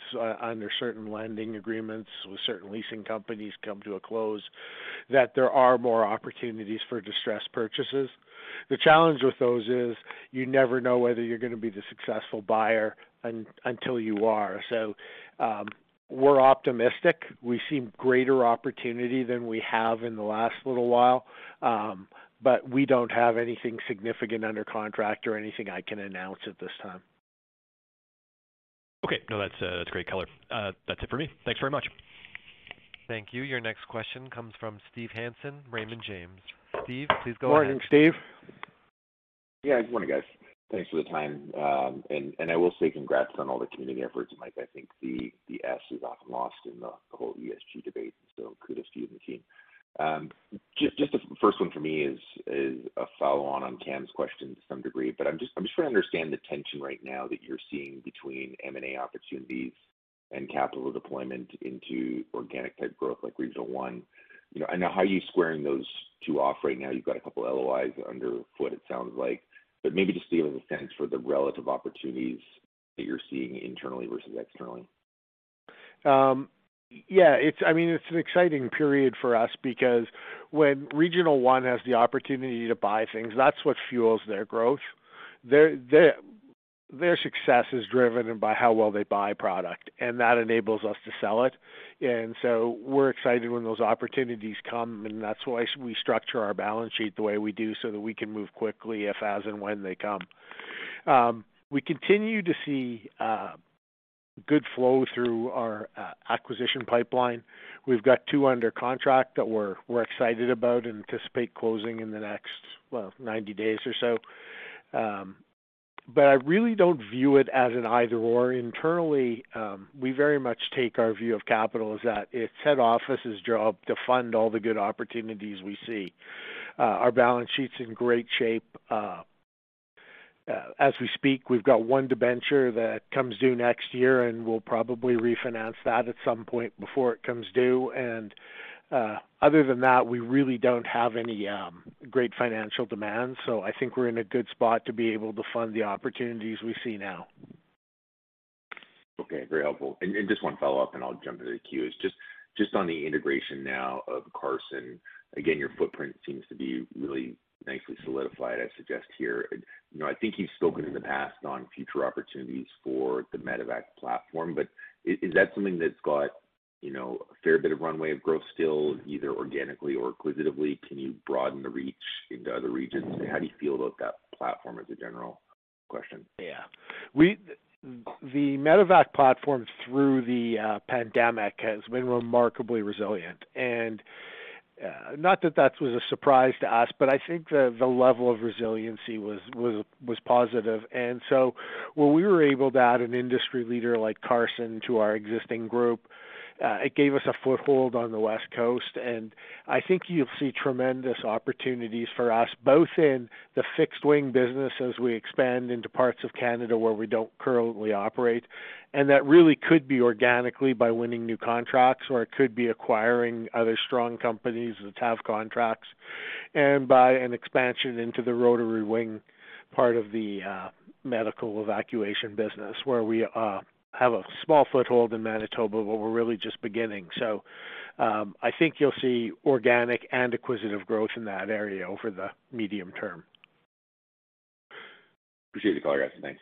S2: under certain lending agreements with certain leasing companies come to a close, that there are more opportunities for distressed purchases. The challenge with those is you never know whether you're gonna be the successful buyer until you are. We're optimistic. We see greater opportunity than we have in the last little while, but we don't have anything significant under contract or anything I can announce at this time.
S5: Okay. No, that's great color. That's it for me. Thanks very much.
S1: Thank you. Your next question comes from Steve Hansen, Raymond James. Steve, please go ahead.
S2: Morning, Steve.
S6: Yeah, good morning, guys. Thanks for the time. And I will say congrats on all the community efforts, Mike. I think the S is often lost in the whole ESG debate, so kudos to you and the team. Just the first one for me is a follow-on on Cam's question to some degree, but I'm just trying to understand the tension right now that you're seeing between M&A opportunities and capital deployment into organic type growth like Regional One. You know, and how are you squaring those two off right now? You've got a couple of LOIs afoot, it sounds like, but maybe just give us a sense for the relative opportunities that you're seeing internally versus externally.
S2: Yeah, it's, I mean, it's an exciting period for us because when Regional One has the opportunity to buy things, that's what fuels their growth. Their success is driven by how well they buy product, and that enables us to sell it. We're excited when those opportunities come, and that's why we structure our balance sheet the way we do so that we can move quickly if, as, and when they come. We continue to see good flow through our acquisition pipeline. We've got two under contract that we're excited about and anticipate closing in the next, well, 90 days or so. I really don't view it as an either/or. Internally, we very much take our view of capital as that it's head office's job to fund all the good opportunities we see. Our balance sheet's in great shape. As we speak, we've got one debenture that comes due next year, and we'll probably refinance that at some point before it comes due. Other than that, we really don't have any great financial demands. I think we're in a good spot to be able to fund the opportunities we see now.
S6: Okay, very helpful. Just one follow-up, and I'll jump to the queue. It's just on the integration now of Carson. Again, your footprint seems to be really nicely solidified, I suggest here. You know, I think you've spoken in the past on future opportunities for the Medevac platform, but is that something that's got, you know, a fair bit of runway of growth still, either organically or acquisitively? Can you broaden the reach into other regions? How do you feel about that platform as a general question?
S2: Yeah. The Medevac platform through the pandemic has been remarkably resilient. Not that that was a surprise to us, but I think the level of resiliency was positive. When we were able to add an industry leader like Carson Air to our existing group, it gave us a foothold on the West Coast. I think you'll see tremendous opportunities for us both in the fixed-wing business as we expand into parts of Canada where we don't currently operate. That really could be organically by winning new contracts, or it could be acquiring other strong companies that have contracts and by an expansion into the rotary-wing part of the medical evacuation business, where we have a small foothold in Manitoba, but we're really just beginning. I think you'll see organic and acquisitive growth in that area over the medium term.
S6: Appreciate the color, guys. Thanks.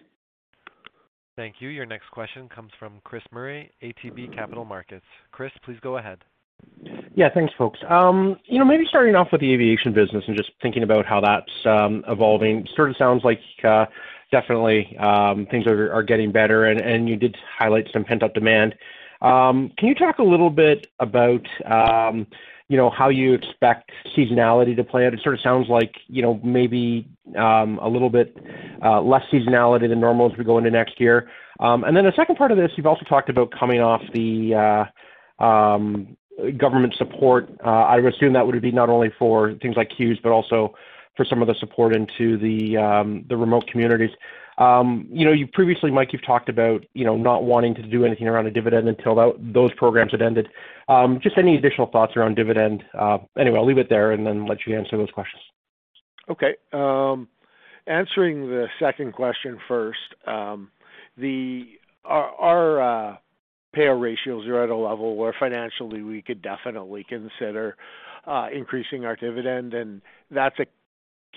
S1: Thank you. Your next question comes from Chris Murray, ATB Capital Markets. Chris, please go ahead.
S7: Yeah. Thanks, folks. You know, maybe starting off with the aviation business and just thinking about how that's evolving, sort of sounds like definitely things are getting better, and you did highlight some pent-up demand. Can you talk a little bit about you know, how you expect seasonality to play out? It sort of sounds like you know, maybe a little bit less seasonality than normal as we go into next year. Then the second part of this, you've also talked about coming off the government support. I would assume that would be not only for things like CEWS, but also for some of the support into the remote communities. You know, you previously, Mike, you've talked about, you know, not wanting to do anything around a dividend until those programs had ended. Just any additional thoughts around dividend? Anyway, I'll leave it there and then let you answer those questions.
S2: Okay. Answering the second question first. Our payout ratios are at a level where financially we could definitely consider increasing our dividend, and that's a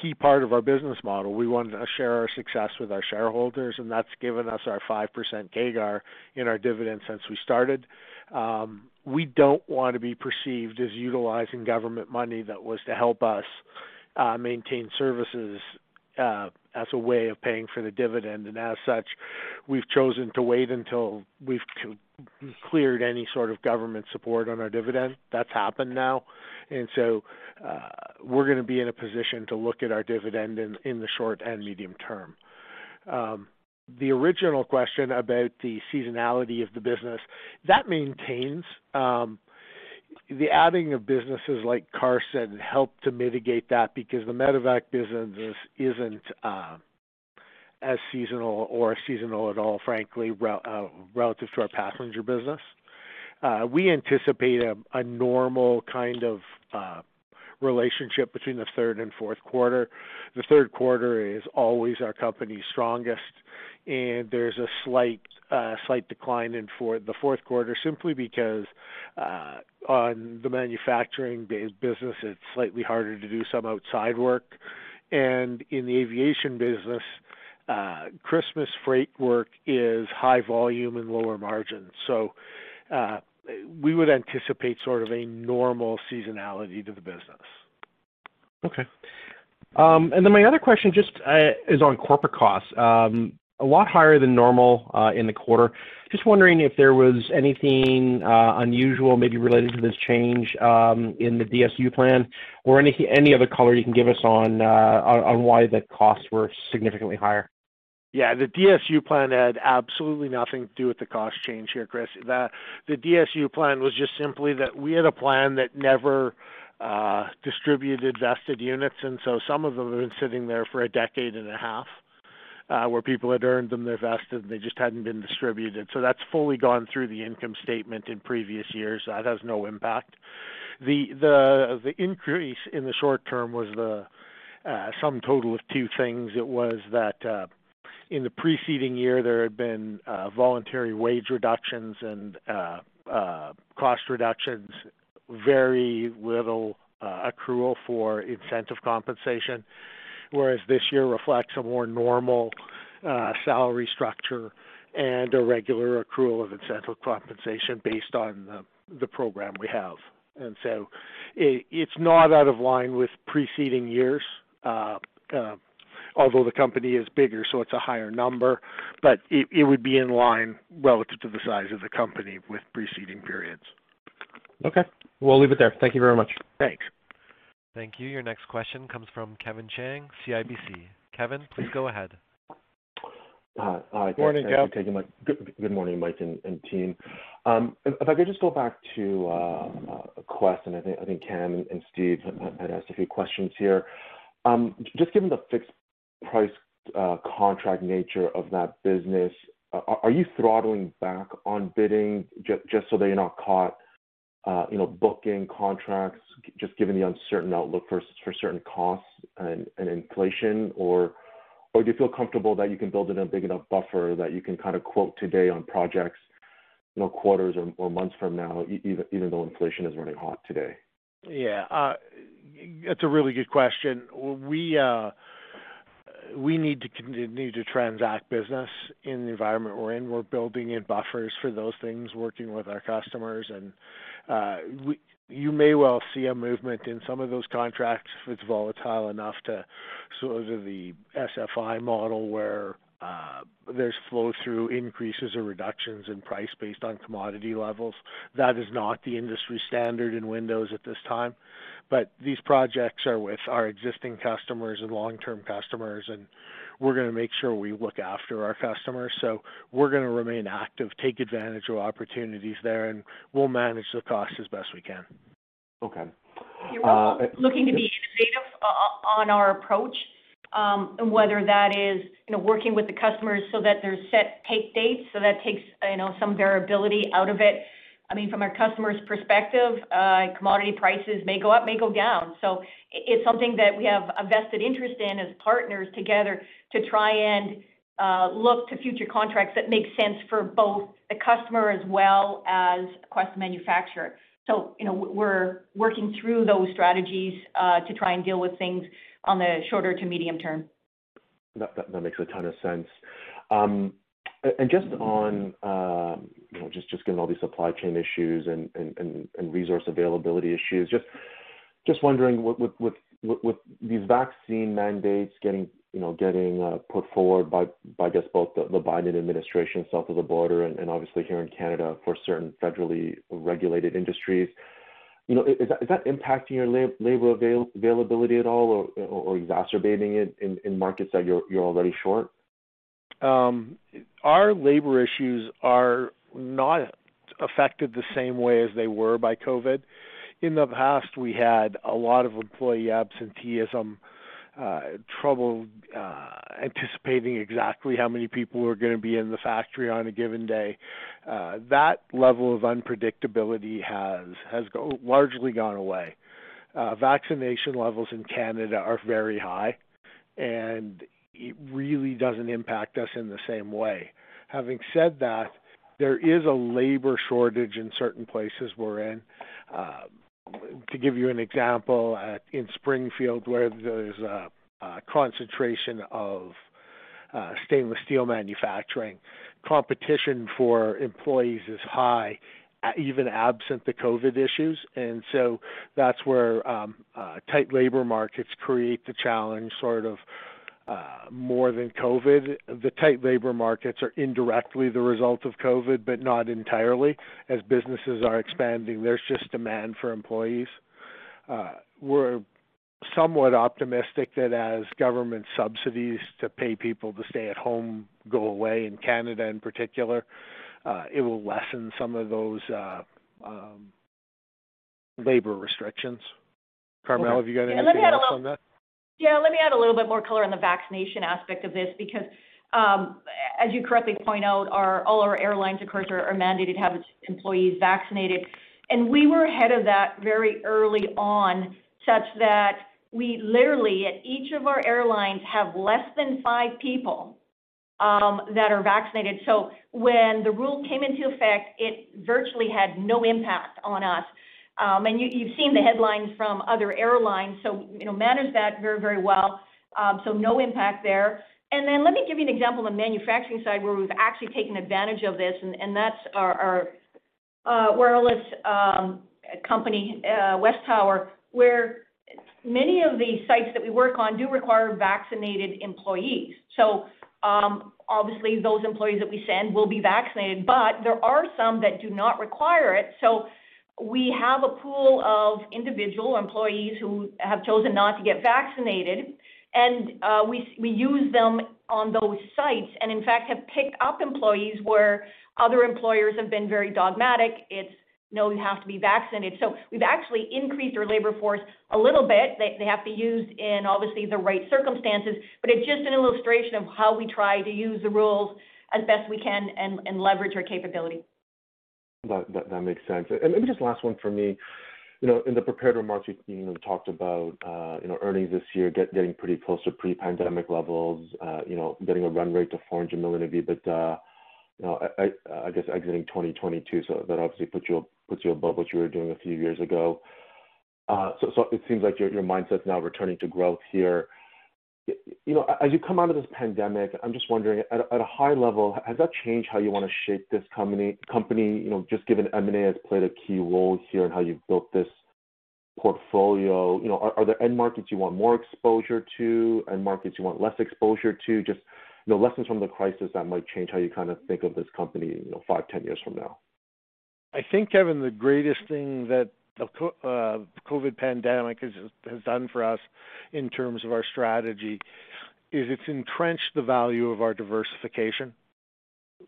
S2: key part of our business model. We want to share our success with our shareholders, and that's given us our 5% CAGR in our dividend since we started. We don't want to be perceived as utilizing government money that was to help us maintain services as a way of paying for the dividend. As such, we've chosen to wait until we've cleared any sort of government support on our dividend. That's happened now, we're gonna be in a position to look at our dividend in the short and medium term. The original question about the seasonality of the business, that maintains. The adding of businesses like Carson help to mitigate that because the medevac business isn't as seasonal at all, frankly, relative to our passenger business. We anticipate a normal kind of relationship between the third and fourth quarter. The third quarter is always our company's strongest, and there's a slight decline in the fourth quarter, simply because on the manufacturing-based business, it's slightly harder to do some outside work. In the aviation business, Christmas freight work is high volume and lower margin. We would anticipate sort of a normal seasonality to the business.
S7: Okay. My other question just is on corporate costs. A lot higher than normal in the quarter. Just wondering if there was anything unusual maybe related to this change in the DSU plan or any other color you can give us on why the costs were significantly higher.
S2: Yeah. The DSU plan had absolutely nothing to do with the cost change here, Chris. The DSU plan was just simply that we had a plan that never distributed vested units, and so some of them have been sitting there for a decade and a half where people had earned them, they vested, they just hadn't been distributed. That's fully gone through the income statement in previous years. That has no impact. The increase in the short term was the sum total of two things. It was that in the preceding year, there had been voluntary wage reductions and cost reductions, very little accrual for incentive compensation, whereas this year reflects a more normal salary structure and a regular accrual of incentive compensation based on the program we have. It's not out of line with preceding years, although the company is bigger, so it's a higher number. It would be in line relative to the size of the company with preceding periods.
S7: Okay. We'll leave it there. Thank you very much.
S2: Thanks.
S1: Thank you. Your next question comes from Kevin Chiang, CIBC. Kevin, please go ahead.
S8: Hi.
S2: Morning, Kevin.
S8: Good morning, Mike and team. If I could just go back to Quest, and I think Cam and Steve had asked a few questions here. Just given the fixed price contract nature of that business, are you throttling back on bidding just so that you're not caught, you know, booking contracts just given the uncertain outlook for certain costs and inflation? Or do you feel comfortable that you can build in a big enough buffer that you can kind of quote today on projects, you know, quarters or months from now even though inflation is running hot today?
S2: Yeah. That's a really good question. We need to transact business in the environment we're in. We're building in buffers for those things, working with our customers, and you may well see a movement in some of those contracts if it's volatile enough to sort of the SFI model where there's flow through increases or reductions in price based on commodity levels. That is not the industry standard in windows at this time. These projects are with our existing customers and long-term customers, and we're gonna make sure we look after our customers. We're gonna remain active, take advantage of opportunities there, and we'll manage the cost as best we can.
S8: Okay.
S4: We're also looking to be innovative on our approach, whether that is, you know, working with the customers so that there's set take dates, so that takes, you know, some variability out of it. I mean, from our customers' perspective, commodity prices may go up, may go down. It's something that we have a vested interest in as partners together to try and look to future contracts that make sense for both the customer as well as Quest manufacturer. You know, we're working through those strategies to try and deal with things on the shorter- to medium-term.
S8: That makes a ton of sense. Just on, given all these supply chain issues and resource availability issues, wondering with these vaccine mandates getting put forward by I guess both the Biden administration south of the border and obviously here in Canada for certain federally regulated industries, is that impacting your labor availability at all or exacerbating it in markets that you're already short?
S2: Our labor issues are not affected the same way as they were by COVID. In the past, we had a lot of employee absenteeism, trouble anticipating exactly how many people were gonna be in the factory on a given day. That level of unpredictability has largely gone away. Vaccination levels in Canada are very high, and it really doesn't impact us in the same way. Having said that, there is a labor shortage in certain places we're in. To give you an example, in Springfield, where there's a concentration of stainless-steel manufacturing, competition for employees is high, even absent the COVID issues. That's where tight labor markets create the challenge sort of more than COVID. The tight labor markets are indirectly the result of COVID, but not entirely. As businesses are expanding, there's just demand for employees. We're somewhat optimistic that as government subsidies to pay people to stay at home go away, in Canada in particular, it will lessen some of those labor restrictions. Carmele, have you got anything else on that?
S4: Yeah, let me add a little bit more color on the vaccination aspect of this, because, as you correctly point out, all our airlines, of course, are mandated to have its employees vaccinated. We were ahead of that very early on, such that we literally, at each of our airlines, have less than five people that are unvaccinated. When the rule came into effect, it virtually had no impact on us. You, you've seen the headlines from other airlines, so, you know, managed that very, very well. No impact there. Let me give you an example on the manufacturing side where we've actually taken advantage of this, and that's our wireless company, WesTower, where many of the sites that we work on do require vaccinated employees. Obviously, those employees that we send will be vaccinated. There are some that do not require it, so we have a pool of individual employees who have chosen not to get vaccinated. We use them on those sites and, in fact, have picked up employees where other employers have been very dogmatic. It's, "No, you have to be vaccinated." We've actually increased our labor force a little bit. They have to be used in, obviously, the right circumstances, but it's just an illustration of how we try to use the rules as best we can and leverage our capability.
S8: That makes sense. Maybe just last one from me. You know, in the prepared remarks, you know, talked about, you know, earnings this year getting pretty close to pre-pandemic levels, you know, getting a run rate to 400 million EBITDA. You know, I guess exiting 2022, so that obviously puts you above what you were doing a few years ago. So it seems like your mindset's now returning to growth here. You know, as you come out of this pandemic, I'm just wondering, at a high level, has that changed how you wanna shape this company? You know, just given M&A has played a key role here in how you've built this portfolio. You know, are there end markets you want more exposure to? End markets you want less exposure to? Just, you know, lessons from the crisis that might change how you kind of think of this company, you know, five, 10 years from now.
S2: I think, Kevin, the greatest thing that the COVID pandemic has done for us in terms of our strategy is it's entrenched the value of our diversification.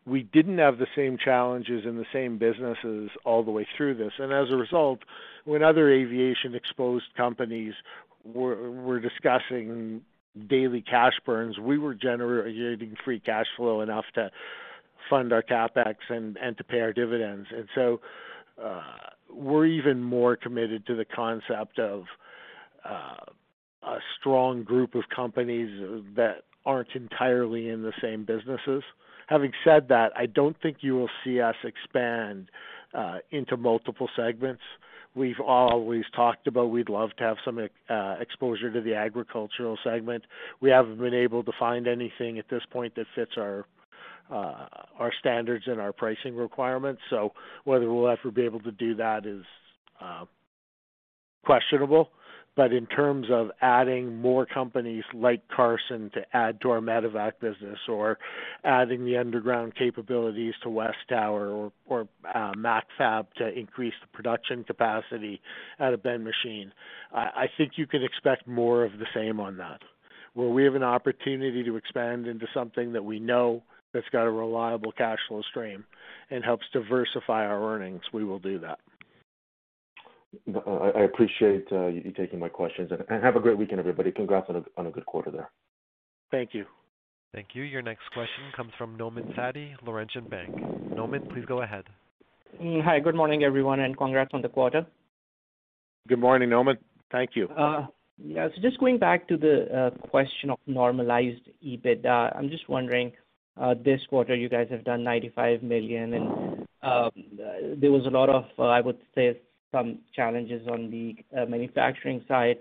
S2: We didn't have the same challenges and the same businesses all the way through this. As a result, when other aviation-exposed companies were discussing daily cash burns, we were generating free cash flow enough to fund our CapEx and to pay our dividends. We're even more committed to the concept of a strong group of companies that aren't entirely in the same businesses. Having said that, I don't think you will see us expand into multiple segments. We've always talked about we'd love to have some exposure to the agricultural segment. We haven't been able to find anything at this point that fits our standards and our pricing requirements. Whether we'll ever be able to do that is questionable. In terms of adding more companies like Carson to add to our medevac business or adding the underground capabilities to WesTower or MacFab to increase the production capacity at a Ben Machine, I think you can expect more of the same on that. Where we have an opportunity to expand into something that we know that's got a reliable cash flow stream and helps diversify our earnings, we will do that.
S8: No, I appreciate you taking my questions. Have a great weekend, everybody. Congrats on a good quarter there.
S2: Thank you.
S1: Thank you. Your next question comes from Nauman Satti, Laurentian Bank. Nauman, please go ahead.
S9: Hi, good morning, everyone, and congrats on the quarter.
S2: Good morning, Nauman. Thank you.
S9: Just going back to the question of normalized EBITDA. I'm just wondering, this quarter you guys have done 95 million, and there was a lot of, I would say, some challenges on the manufacturing side.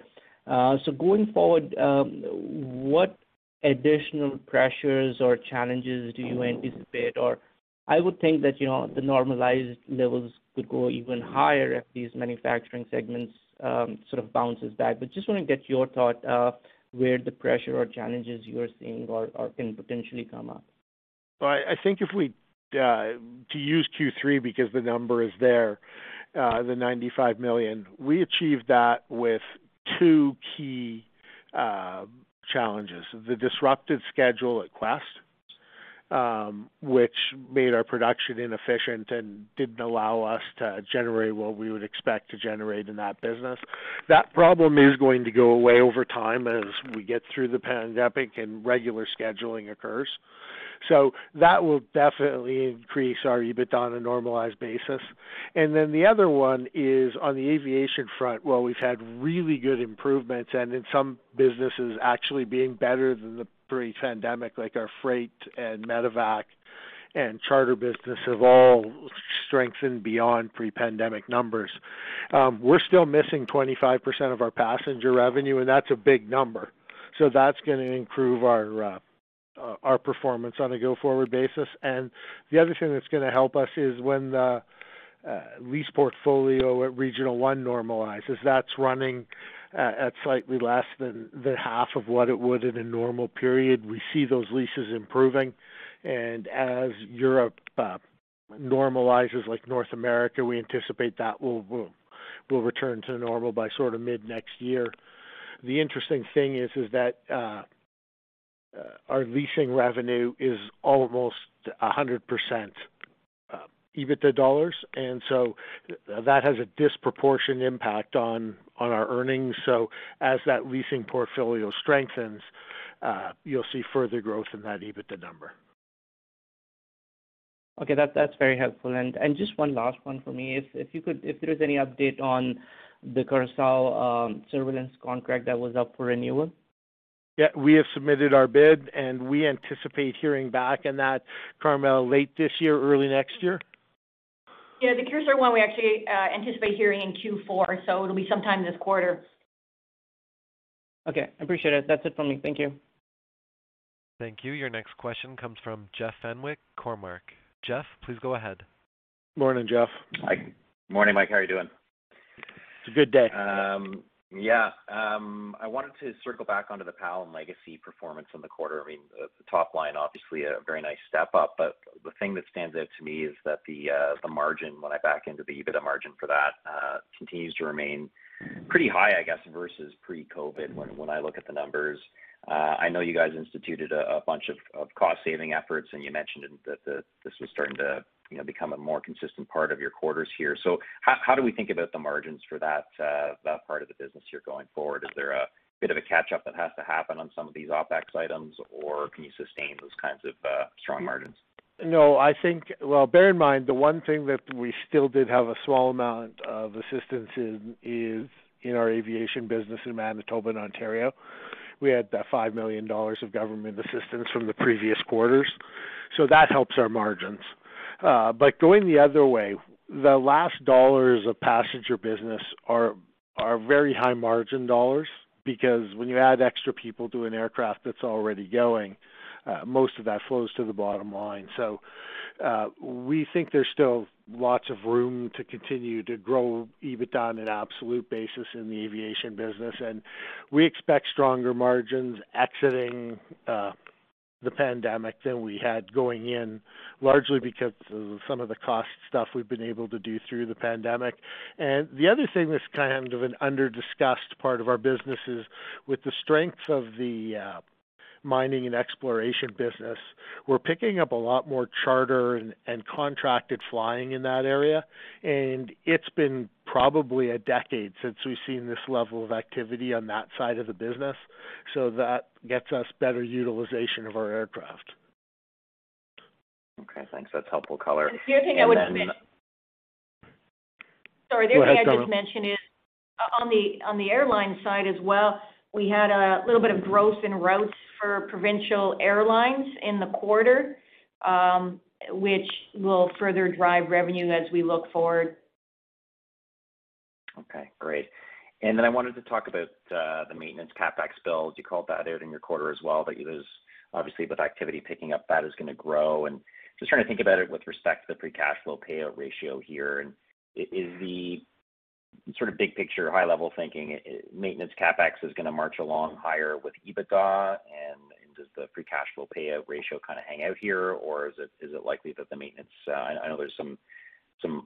S9: Going forward, what additional pressures or challenges do you anticipate? Or I would think that, you know, the normalized levels could go even higher if these manufacturing segments sort of bounces back. But just wanna get your thought, where the pressure or challenges you're seeing or can potentially come up.
S2: Well, I think if we to use Q3 because the number is there, the 95 million. We achieved that with two key challenges. The disrupted schedule at Quest, which made our production inefficient and didn't allow us to generate what we would expect to generate in that business. That problem is going to go away over time as we get through the pandemic and regular scheduling occurs. That will definitely increase our EBITDA on a normalized basis. Then the other one is on the aviation front, while we've had really good improvements, and in some businesses actually being better than the pre-pandemic, like our freight and medevac and charter business have all strengthened beyond pre-pandemic numbers. We're still missing 25% of our passenger revenue, and that's a big number. That's gonna improve our performance on a go-forward basis. The other thing that's gonna help us is when the lease portfolio at Regional One normalizes. That's running at slightly less than half of what it would in a normal period. We see those leases improving, and as Europe normalizes like North America, we anticipate that will return to normal by sort of mid-next year. The interesting thing is that our leasing revenue is almost 100% EBITDA dollars, and so that has a disproportionate impact on our earnings. As that leasing portfolio strengthens, you'll see further growth in that EBITDA number.
S9: Okay. That's very helpful. Just one last one for me. If there's any update on the Curaçao surveillance contract that was up for renewal?
S2: Yeah. We have submitted our bid, and we anticipate hearing back in that, Carmele, late this year or early next year.
S4: Yeah. The Curaçao one we actually anticipate hearing in Q4, so it'll be sometime this quarter.
S9: Okay. I appreciate it. That's it for me. Thank you.
S1: Thank you. Your next question comes from Jeff Fenwick, Cormark. Jeff, please go ahead.
S2: Morning, Jeff.
S10: Hi. Morning, Mike. How are you doing?
S2: It's a good day.
S10: I wanted to circle back onto the PAL and Legacy performance in the quarter. I mean, the top line, obviously a very nice step up, but the thing that stands out to me is that the margin, when I back into the EBITDA margin for that, continues to remain pretty high, I guess, versus pre-COVID when I look at the numbers. I know you guys instituted a bunch of cost-saving efforts, and you mentioned that this was starting to, you know, become a more consistent part of your quarters here. How do we think about the margins for that part of the business here going forward? Is there a bit of a catch-up that has to happen on some of these OpEx items, or can you sustain those kinds of strong margins?
S2: No, I think. Well, bear in mind, the one thing that we still did have a small amount of assistance in is in our aviation business in Manitoba and Ontario. We had that 5 million dollars of government assistance from the previous quarters, so that helps our margins. But going the other way, the last dollars of passenger business are very high margin dollars because when you add extra people to an aircraft that's already going, most of that flows to the bottom line. So, we think there's still lots of room to continue to grow EBITDA on an absolute basis in the aviation business. We expect stronger margins exiting the pandemic than we had going in, largely because of some of the cost stuff we've been able to do through the pandemic. The other thing that's kind of an under-discussed part of our business is with the strength of the mining and exploration business, we're picking up a lot more charter and contracted flying in that area, and it's been probably a decade since we've seen this level of activity on that side of the business. That gets us better utilization of our aircraft.
S10: Okay, thanks. That's helpful color. Then-
S4: Sorry.
S2: Go ahead, Carmele.
S4: The other thing I'd just mention is on the airline side as well, we had a little bit of growth in routes for Provincial Airlines in the quarter, which will further drive revenue as we look forward.
S10: Okay. Great. I wanted to talk about the maintenance CapEx build. You called that out in your quarter as well, that it is obviously with activity picking up, that is gonna grow. Just trying to think about it with respect to the free cash flow payout ratio here. Is the sort of big picture, high-level thinking maintenance CapEx is gonna march along higher with EBITDA? Does the free cash flow payout ratio kinda hang out here, or is it likely, I know there's some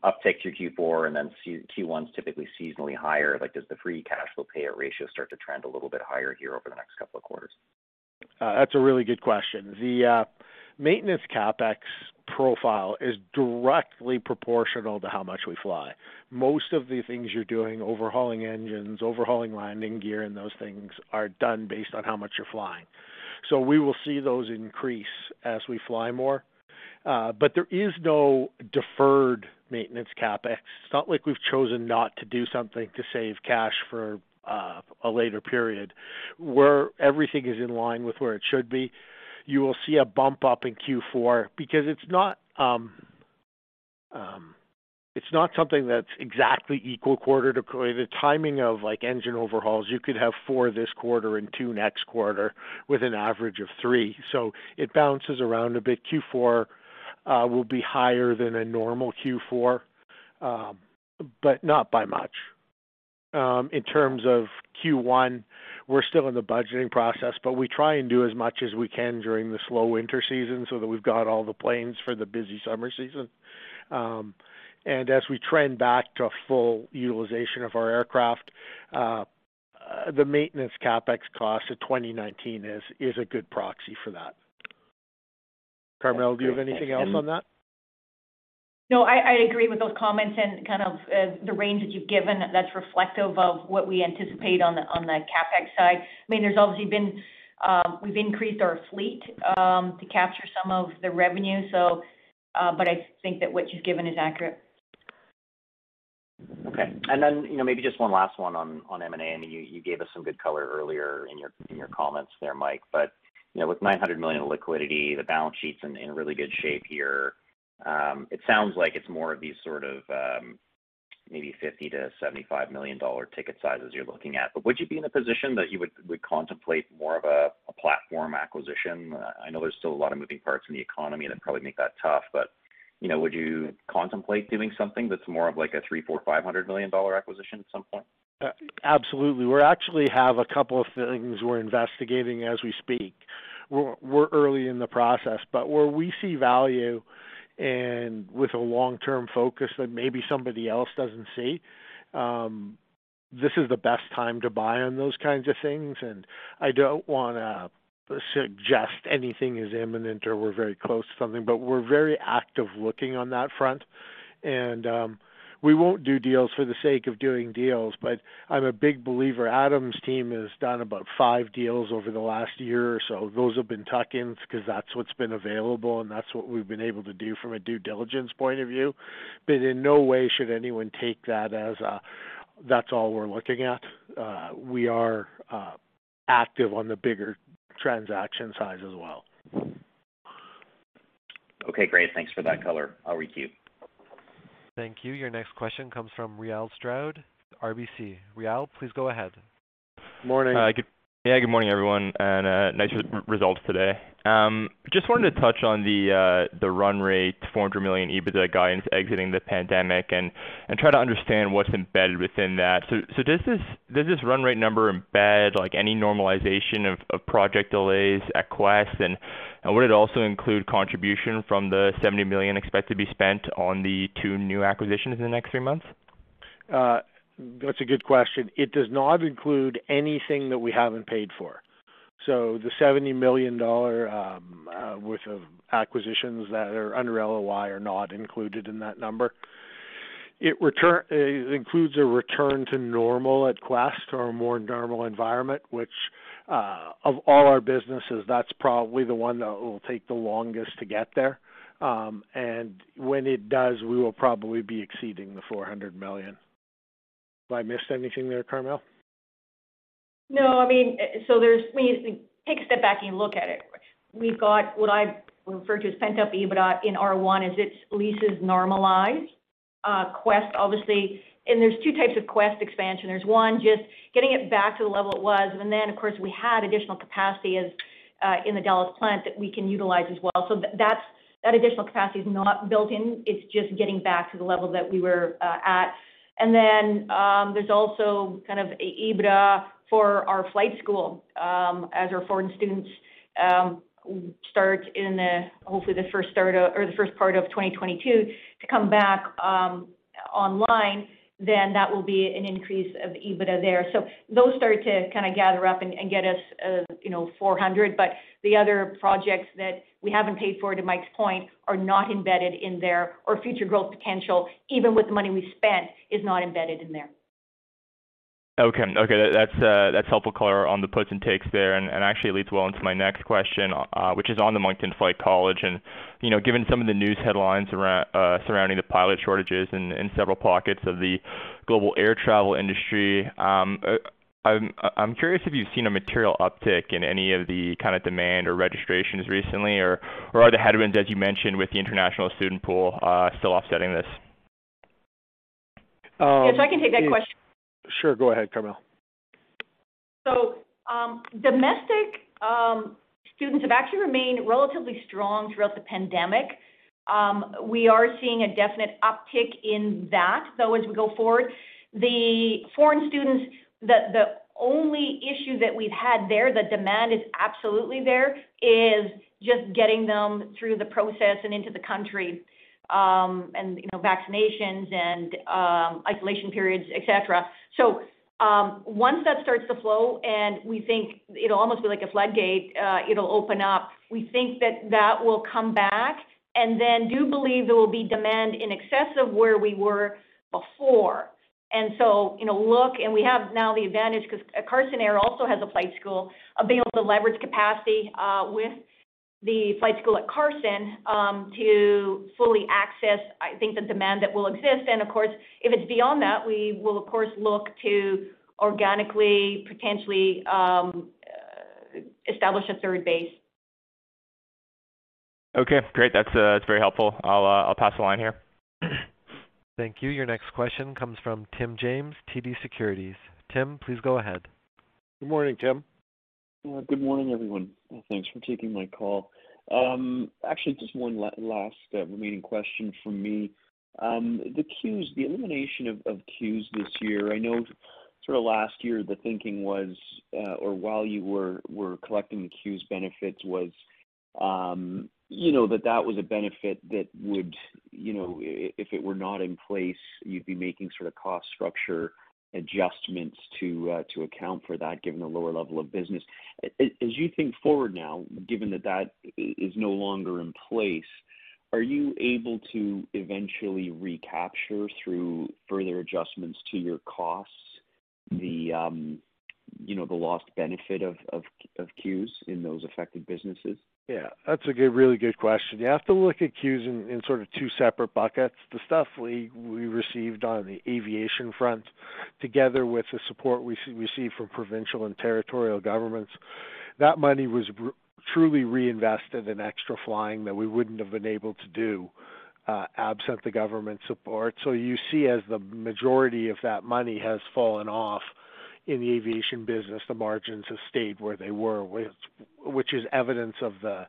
S10: uptake through Q4 and then Q1 is typically seasonally higher. Like, does the free cash flow payout ratio start to trend a little bit higher here over the next couple of quarters?
S2: That's a really good question. The maintenance CapEx profile is directly proportional to how much we fly. Most of the things you're doing, overhauling engines, overhauling landing gear, and those things are done based on how much you're flying. We will see those increase as we fly more. There is no deferred maintenance CapEx. It's not like we've chosen not to do something to save cash for a later period, where everything is in line with where it should be. You will see a bump up in Q4 because it's not something that's exactly equal quarter-to-quarter. The timing of, like, engine overhauls, you could have four this quarter and two next quarter with an average of three. It bounces around a bit. Q4 will be higher than a normal Q4, but not by much. In terms of Q1, we're still in the budgeting process, but we try and do as much as we can during the slow winter season so that we've got all the planes for the busy summer season. As we trend back to a full utilization of our aircraft, the maintenance CapEx cost of 2019 is a good proxy for that.
S10: That's great. Thanks.
S2: Carmele, do you have anything else on that?
S4: No, I agree with those comments and kind of the range that you've given that's reflective of what we anticipate on the CapEx side. I mean, we've increased our fleet to capture some of the revenue, so but I think that what you've given is accurate.
S10: Okay. You know, maybe just one last one on M&A. I know you gave us some good color earlier in your comments there, Mike, but you know, with 900 million of liquidity, the balance sheet's in really good shape here. It sounds like it's more of these sort of maybe 50 million-75 million dollar ticket sizes you're looking at. Would you be in a position that you would contemplate more of a platform acquisition? I know there's still a lot of moving parts in the economy that probably make that tough, but you know, would you contemplate doing something that's more of like a 300 million-500 million dollar acquisition at some point?
S2: Absolutely. We actually have a couple of things we're investigating as we speak. We're early in the process, but where we see value and with a long-term focus that maybe somebody else doesn't see, this is the best time to buy on those kinds of things. I don't wanna suggest anything is imminent or we're very close to something, but we're very active looking on that front. We won't do deals for the sake of doing deals, but I'm a big believer. Adam's team has done about five deals over the last year or so. Those have been tuck-ins 'cause that's what's been available, and that's what we've been able to do from a due diligence point of view. But in no way should anyone take that as that's all we're looking at. We are active on the bigger transaction size as well.
S10: Okay, great. Thanks for that color. I'll requeue.
S1: Thank you. Your next question comes from Ryall Stroud, RBC. Ryall, please go ahead.
S2: Morning.
S11: Yeah, good morning, everyone, and nice results today. Just wanted to touch on the run rate 400 million EBITDA guidance exiting the pandemic and try to understand what's embedded within that. Does this run rate number embed like any normalization of project delays at Quest? And would it also include contribution from the 70 million expected to be spent on the two new acquisitions in the next three months?
S2: That's a good question. It does not include anything that we haven't paid for. The 70 million dollar worth of acquisitions that are under LOI are not included in that number. It includes a return to normal at Quest or a more normal environment, which, of all our businesses, that's probably the one that will take the longest to get there. When it does, we will probably be exceeding the 400 million. Have I missed anything there, Carmele?
S4: No. I mean, there's when you take a step back and you look at it, we've got what I refer to spent-up EBITDA in R1 as its leases normalize Quest, obviously. There's two types of Quest expansion. There's one, just getting it back to the level it was. Of course, we had additional capacity as in the Dallas plant that we can utilize as well. That additional capacity is not built in. It's just getting back to the level that we were at. There's also kind of EBITDA for our flight school as our foreign students start in hopefully the first part of 2022 to come back online, then that will be an increase of EBITDA there. Those start to kinda gather up and get us, you know, 400 million. The other projects that we haven't paid for, to Mike's point, are not embedded in there, or future growth potential, even with the money we spent, is not embedded in there.
S11: Okay. That's helpful color on the puts and takes there. Actually it leads well into my next question, which is on the Moncton Flight College. You know, given some of the news headlines surrounding the pilot shortages in several pockets of the global air travel industry, I'm curious if you've seen a material uptick in any of the kinda demand or registrations recently or are the headwinds, as you mentioned, with the international student pool still offsetting this?
S2: Um-
S4: Yes, I can take that question.
S2: Sure. Go ahead, Carmele.
S4: Domestic students have actually remained relatively strong throughout the pandemic. We are seeing a definite uptick in that, though, as we go forward. The foreign students, the only issue that we've had there, the demand is absolutely there, is just getting them through the process and into the country, and, you know, vaccinations and, isolation periods, et cetera. Once that starts to flow, and we think it'll almost be like a floodgate, it'll open up, we think that that will come back, and then do believe there will be demand in excess of where we were before. You know, look. We have now the advantage, 'cause Carson Air also has a flight school, of being able to leverage capacity, with the flight school at Carson, to fully access, I think the demand that will exist. Of course, if it's beyond that, we will of course look to organically, potentially, establish a third base.
S11: Okay, great. That's very helpful. I'll pass the line here.
S1: Thank you. Your next question comes from Tim James, TD Securities. Tim, please go ahead.
S2: Good morning, Tim.
S12: Good morning, everyone. Thanks for taking my call. Actually, just one last remaining question from me. The CEWS, the elimination of CEWS this year. I know sort of last year the thinking was, or while you were collecting the CEWS benefits was, you know, that was a benefit that would, you know, if it were not in place, you'd be making sort of cost structure adjustments to account for that given the lower level of business. As you think forward now, given that that is no longer in place, are you able to eventually recapture through further adjustments to your costs you know, the lost benefit of CEWS in those affected businesses?
S2: Yeah, that's a good, really good question. You have to look at CEWS in sort of two separate buckets. The stuff we received on the aviation front together with the support we received from provincial and territorial governments, that money was truly reinvested in extra flying that we wouldn't have been able to do, absent the government support. You see as the majority of that money has fallen off in the aviation business, the margins have stayed where they were. Which is evidence of the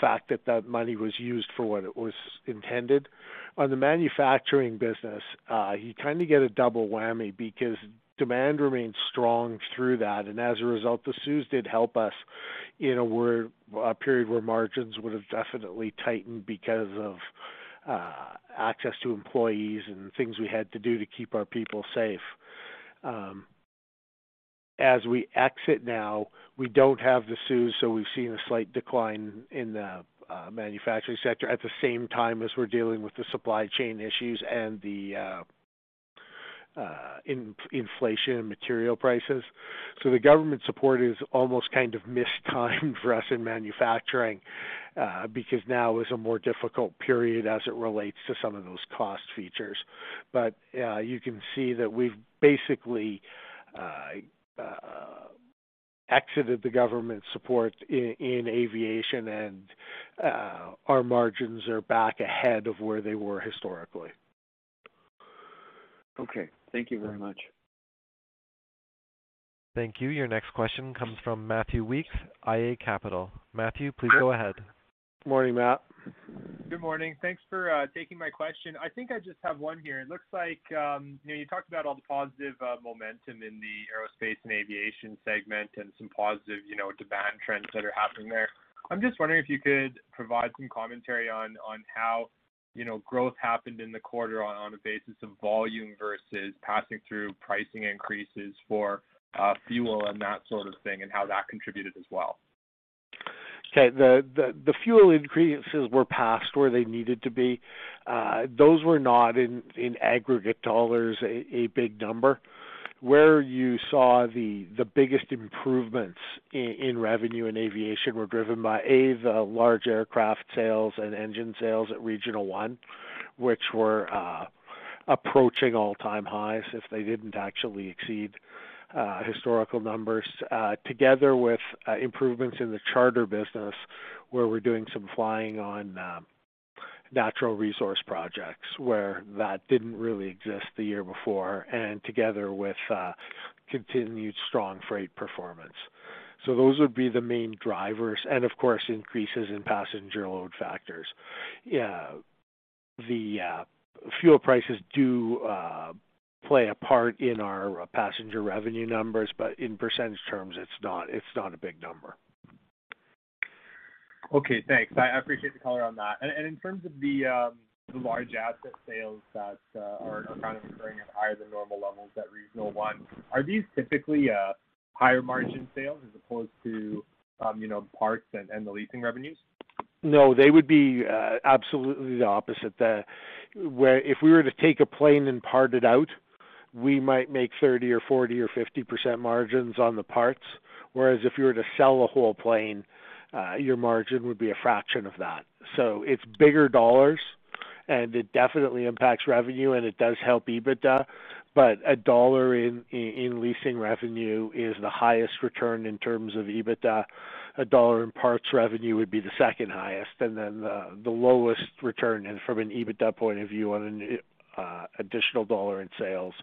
S2: fact that that money was used for what it was intended. On the manufacturing business, you kind of get a double whammy because demand remains strong through that. As a result, the CEWS did help us in a period where margins would have definitely tightened because of access to employees and things we had to do to keep our people safe. As we exit now, we don't have the CEWS, so we've seen a slight decline in the manufacturing sector at the same time as we're dealing with the supply chain issues and the inflation material prices. The government support is almost kind of mistimed for us in manufacturing because now is a more difficult period as it relates to some of those cost features. You can see that we've basically exited the government support in aviation and our margins are back ahead of where they were historically.
S12: Okay. Thank you very much.
S1: Thank you. Your next question comes from Matthew Lee, IA Capital. Matthew, please go ahead.
S2: Morning, Matt.
S13: Good morning. Thanks for taking my question. I think I just have one here. It looks like, you know, you talked about all the positive momentum in the Aerospace & Aviation segment and some positive, you know, demand trends that are happening there. I'm just wondering if you could provide some commentary on how, you know, growth happened in the quarter on a basis of volume versus passing through pricing increases for fuel and that sort of thing, and how that contributed as well.
S2: The fuel increases were passed where they needed to be. Those were not in aggregate dollars a big number. Where you saw the biggest improvements in revenue and aviation were driven by the large aircraft sales and engine sales at Regional One, which were approaching all-time highs if they didn't actually exceed historical numbers, together with improvements in the charter business, where we're doing some flying on natural resource projects where that didn't really exist the year before, and together with continued strong freight performance. Those would be the main drivers and of course, increases in passenger load factors. The fuel prices do play a part in our passenger revenue numbers, but in percentage terms, it's not a big number.
S13: Okay, thanks. I appreciate the color on that. In terms of the large asset sales that are kind of occurring at higher than normal levels at Regional One, are these typically higher margin sales as opposed to, you know, parts and the leasing revenues?
S2: No, they would be absolutely the opposite there. Where if we were to take a plane and part it out, we might make 30% or 40% or 50% margins on the parts. Whereas if you were to sell a whole plane, your margin would be a fraction of that. It's bigger dollars, and it definitely impacts revenue, and it does help EBITDA. A dollar in leasing revenue is the highest return in terms of EBITDA. A dollar in parts revenue would be the second highest, and then the lowest return from an EBITDA point of view on an additional dollar in sales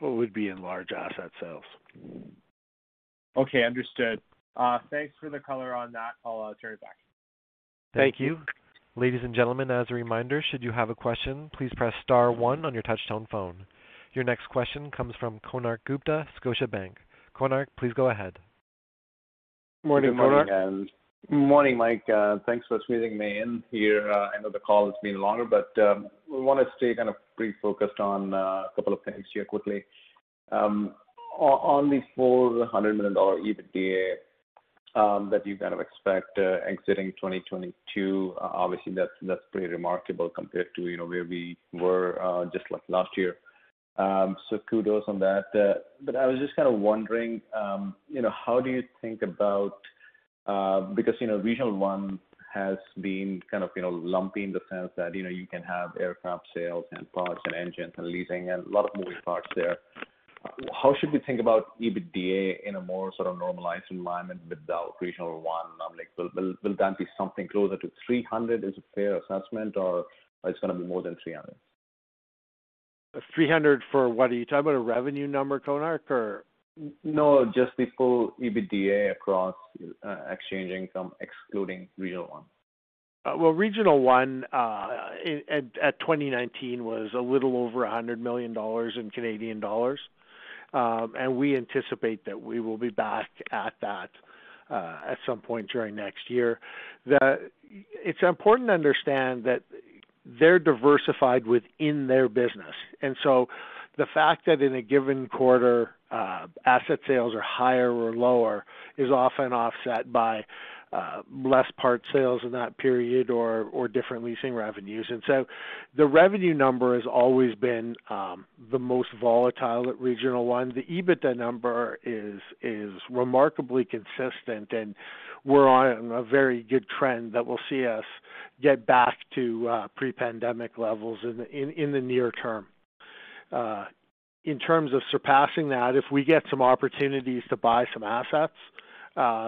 S2: would be in large asset sales.
S13: Okay, understood. Thanks for the color on that. I'll turn it back.
S2: Thank you.
S1: Ladies and gentlemen, as a reminder, should you have a question, please press star one on your touch tone phone. Your next question comes from Konark Gupta, Scotiabank. Konark, please go ahead.
S2: Morning, Konark.
S14: Good morning. Morning, Mike. Thanks for squeezing me in here. I know the call has been longer, but we wanna stay kind of pretty focused on a couple of things here quickly. On the 100 million dollar EBITDA that you kind of expect exiting 2022, obviously, that's pretty remarkable compared to, you know, where we were just like last year. So kudos on that. But I was just kind of wondering, you know, how do you think about, because, you know, Regional One has been kind of, you know, lumpy in the sense that, you know, you can have aircraft sales and parts and engines and leasing and a lot of moving parts there. How should we think about EBITDA in a more sort of normalized environment without Regional One? Like, will that be something closer to 300 million as a fair assessment, or it's gonna be more than 300 million?
S2: 300 for what? Are you talking about a revenue number, Konark or?
S14: No, just the full EBITDA across Exchange Income, excluding Regional One.
S2: Well, Regional One at 2019 was a little over 100 million dollars. We anticipate that we will be back at that at some point during next year. It's important to understand that they're diversified within their business. The fact that in a given quarter asset sales are higher or lower is often offset by less part sales in that period or different leasing revenues. The revenue number has always been the most volatile at Regional One. The EBITDA number is remarkably consistent, and we're on a very good trend that will see us get back to pre-pandemic levels in the near term. In terms of surpassing that, if we get some opportunities to buy some assets,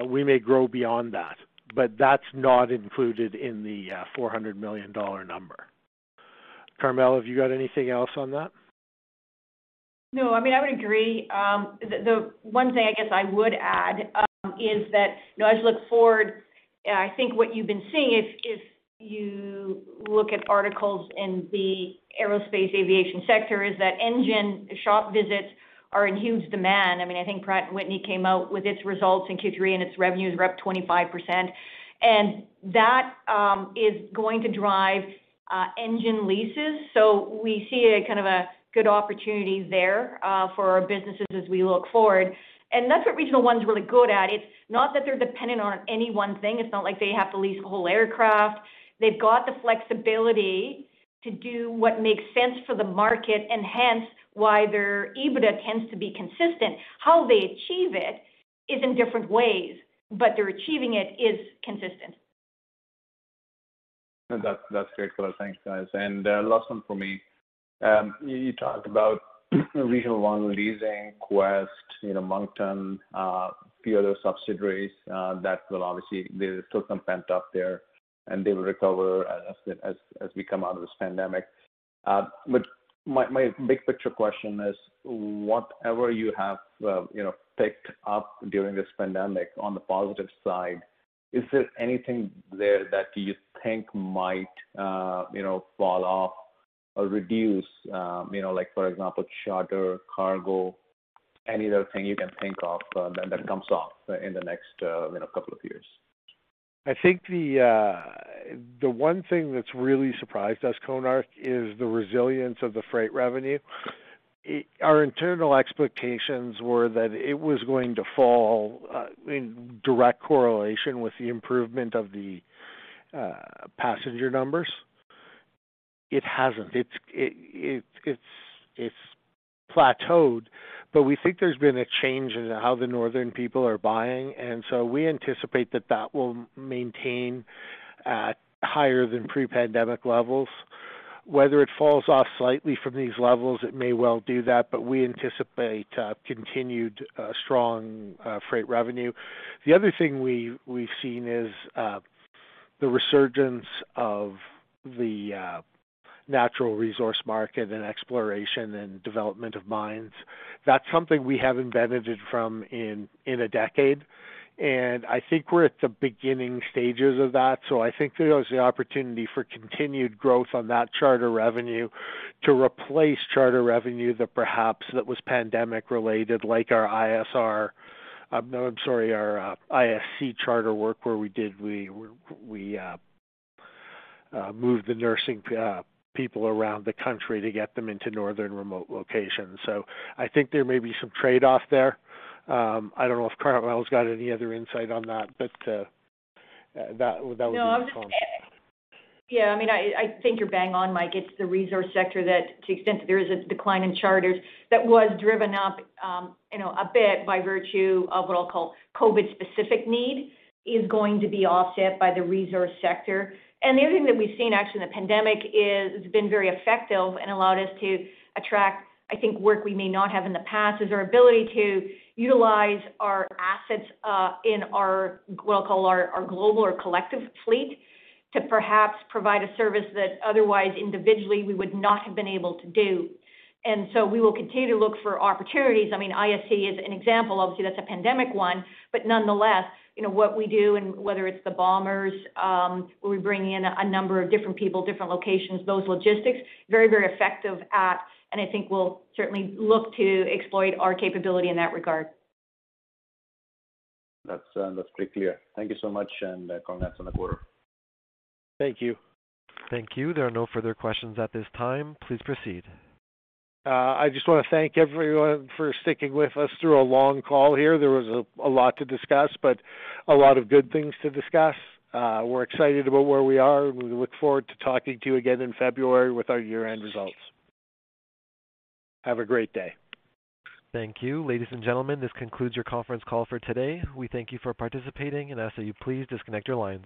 S2: we may grow beyond that, but that's not included in the 400 million dollar number. Carmele, have you got anything else on that?
S4: No, I mean, I would agree. The one thing I guess I would add is that, you know, as you look forward, I think what you've been seeing if you look at articles in the aerospace aviation sector is that engine shop visits are in huge demand. I mean, I think Pratt & Whitney came out with its results in Q3, and its revenues were up 25%. That is going to drive engine leases. We see a kind of a good opportunity there for our businesses as we look forward. That's what Regional One's really good at. It's not that they're dependent on any one thing. It's not like they have to lease a whole aircraft. They've got the flexibility to do what makes sense for the market, and hence why their EBITDA tends to be consistent. How they achieve it is in different ways, but their achieving it is consistent.
S14: That, that's great color. Thanks, guys. Last one for me. You talked about Regional One Leasing, Quest, you know, Moncton, few other subsidiaries, that will obviously there's still some pent up there, and they will recover as we come out of this pandemic. But my big-picture question is, whatever you have, you know, picked up during this pandemic on the positive side, is there anything there that you think might, you know, fall off or reduce? You know, like for example, charter, cargo, any other thing you can think of, that comes off in the next, you know, couple of years?
S2: I think the one thing that's really surprised us, Konark, is the resilience of the freight revenue. Our internal expectations were that it was going to fall in direct correlation with the improvement of the passenger numbers. It hasn't. It's plateaued, but we think there's been a change in how the northern people are buying, and so we anticipate that will maintain at higher than pre-pandemic levels. Whether it falls off slightly from these levels, it may well do that, but we anticipate continued strong freight revenue. The other thing we've seen is the resurgence of the natural resource market and exploration and development of mines. That's something we haven't benefited from in a decade, and I think we're at the beginning stages of that. I think there is the opportunity for continued growth on that charter revenue to replace charter revenue that perhaps that was pandemic-related, like our ISC charter work where we moved the nursing people around the country to get them into northern remote locations. I think there may be some trade-off there. I don't know if Carmele's got any other insight on that, but that would be-
S4: No. Yeah, I mean, I think you're bang on, Mike. It's the resource sector that to the extent that there is a decline in charters that was driven up, you know, a bit by virtue of what I'll call COVID-specific need is going to be offset by the resource sector. The other thing that we've seen actually in the pandemic is it's been very effective and allowed us to attract, I think, work we may not have in the past, is our ability to utilize our assets in our what I'll call our global or collective fleet to perhaps provide a service that otherwise individually we would not have been able to do. We will continue to look for opportunities. I mean, ISC is an example. Obviously, that's a pandemic one, but nonetheless, you know, what we do and whether it's the Bombers, where we bring in a number of different people, different locations, those logistics very, very effective at, and I think we'll certainly look to exploit our capability in that regard.
S14: That's pretty clear. Thank you so much, and congrats on the quarter.
S2: Thank you.
S1: Thank you. There are no further questions at this time. Please proceed.
S2: I just wanna thank everyone for sticking with us through a long call here. There was a lot to discuss, but a lot of good things to discuss. We're excited about where we are, and we look forward to talking to you again in February with our year-end results. Have a great day.
S1: Thank you. Ladies and gentlemen, this concludes your conference call for today. We thank you for participating and ask that you please disconnect your lines.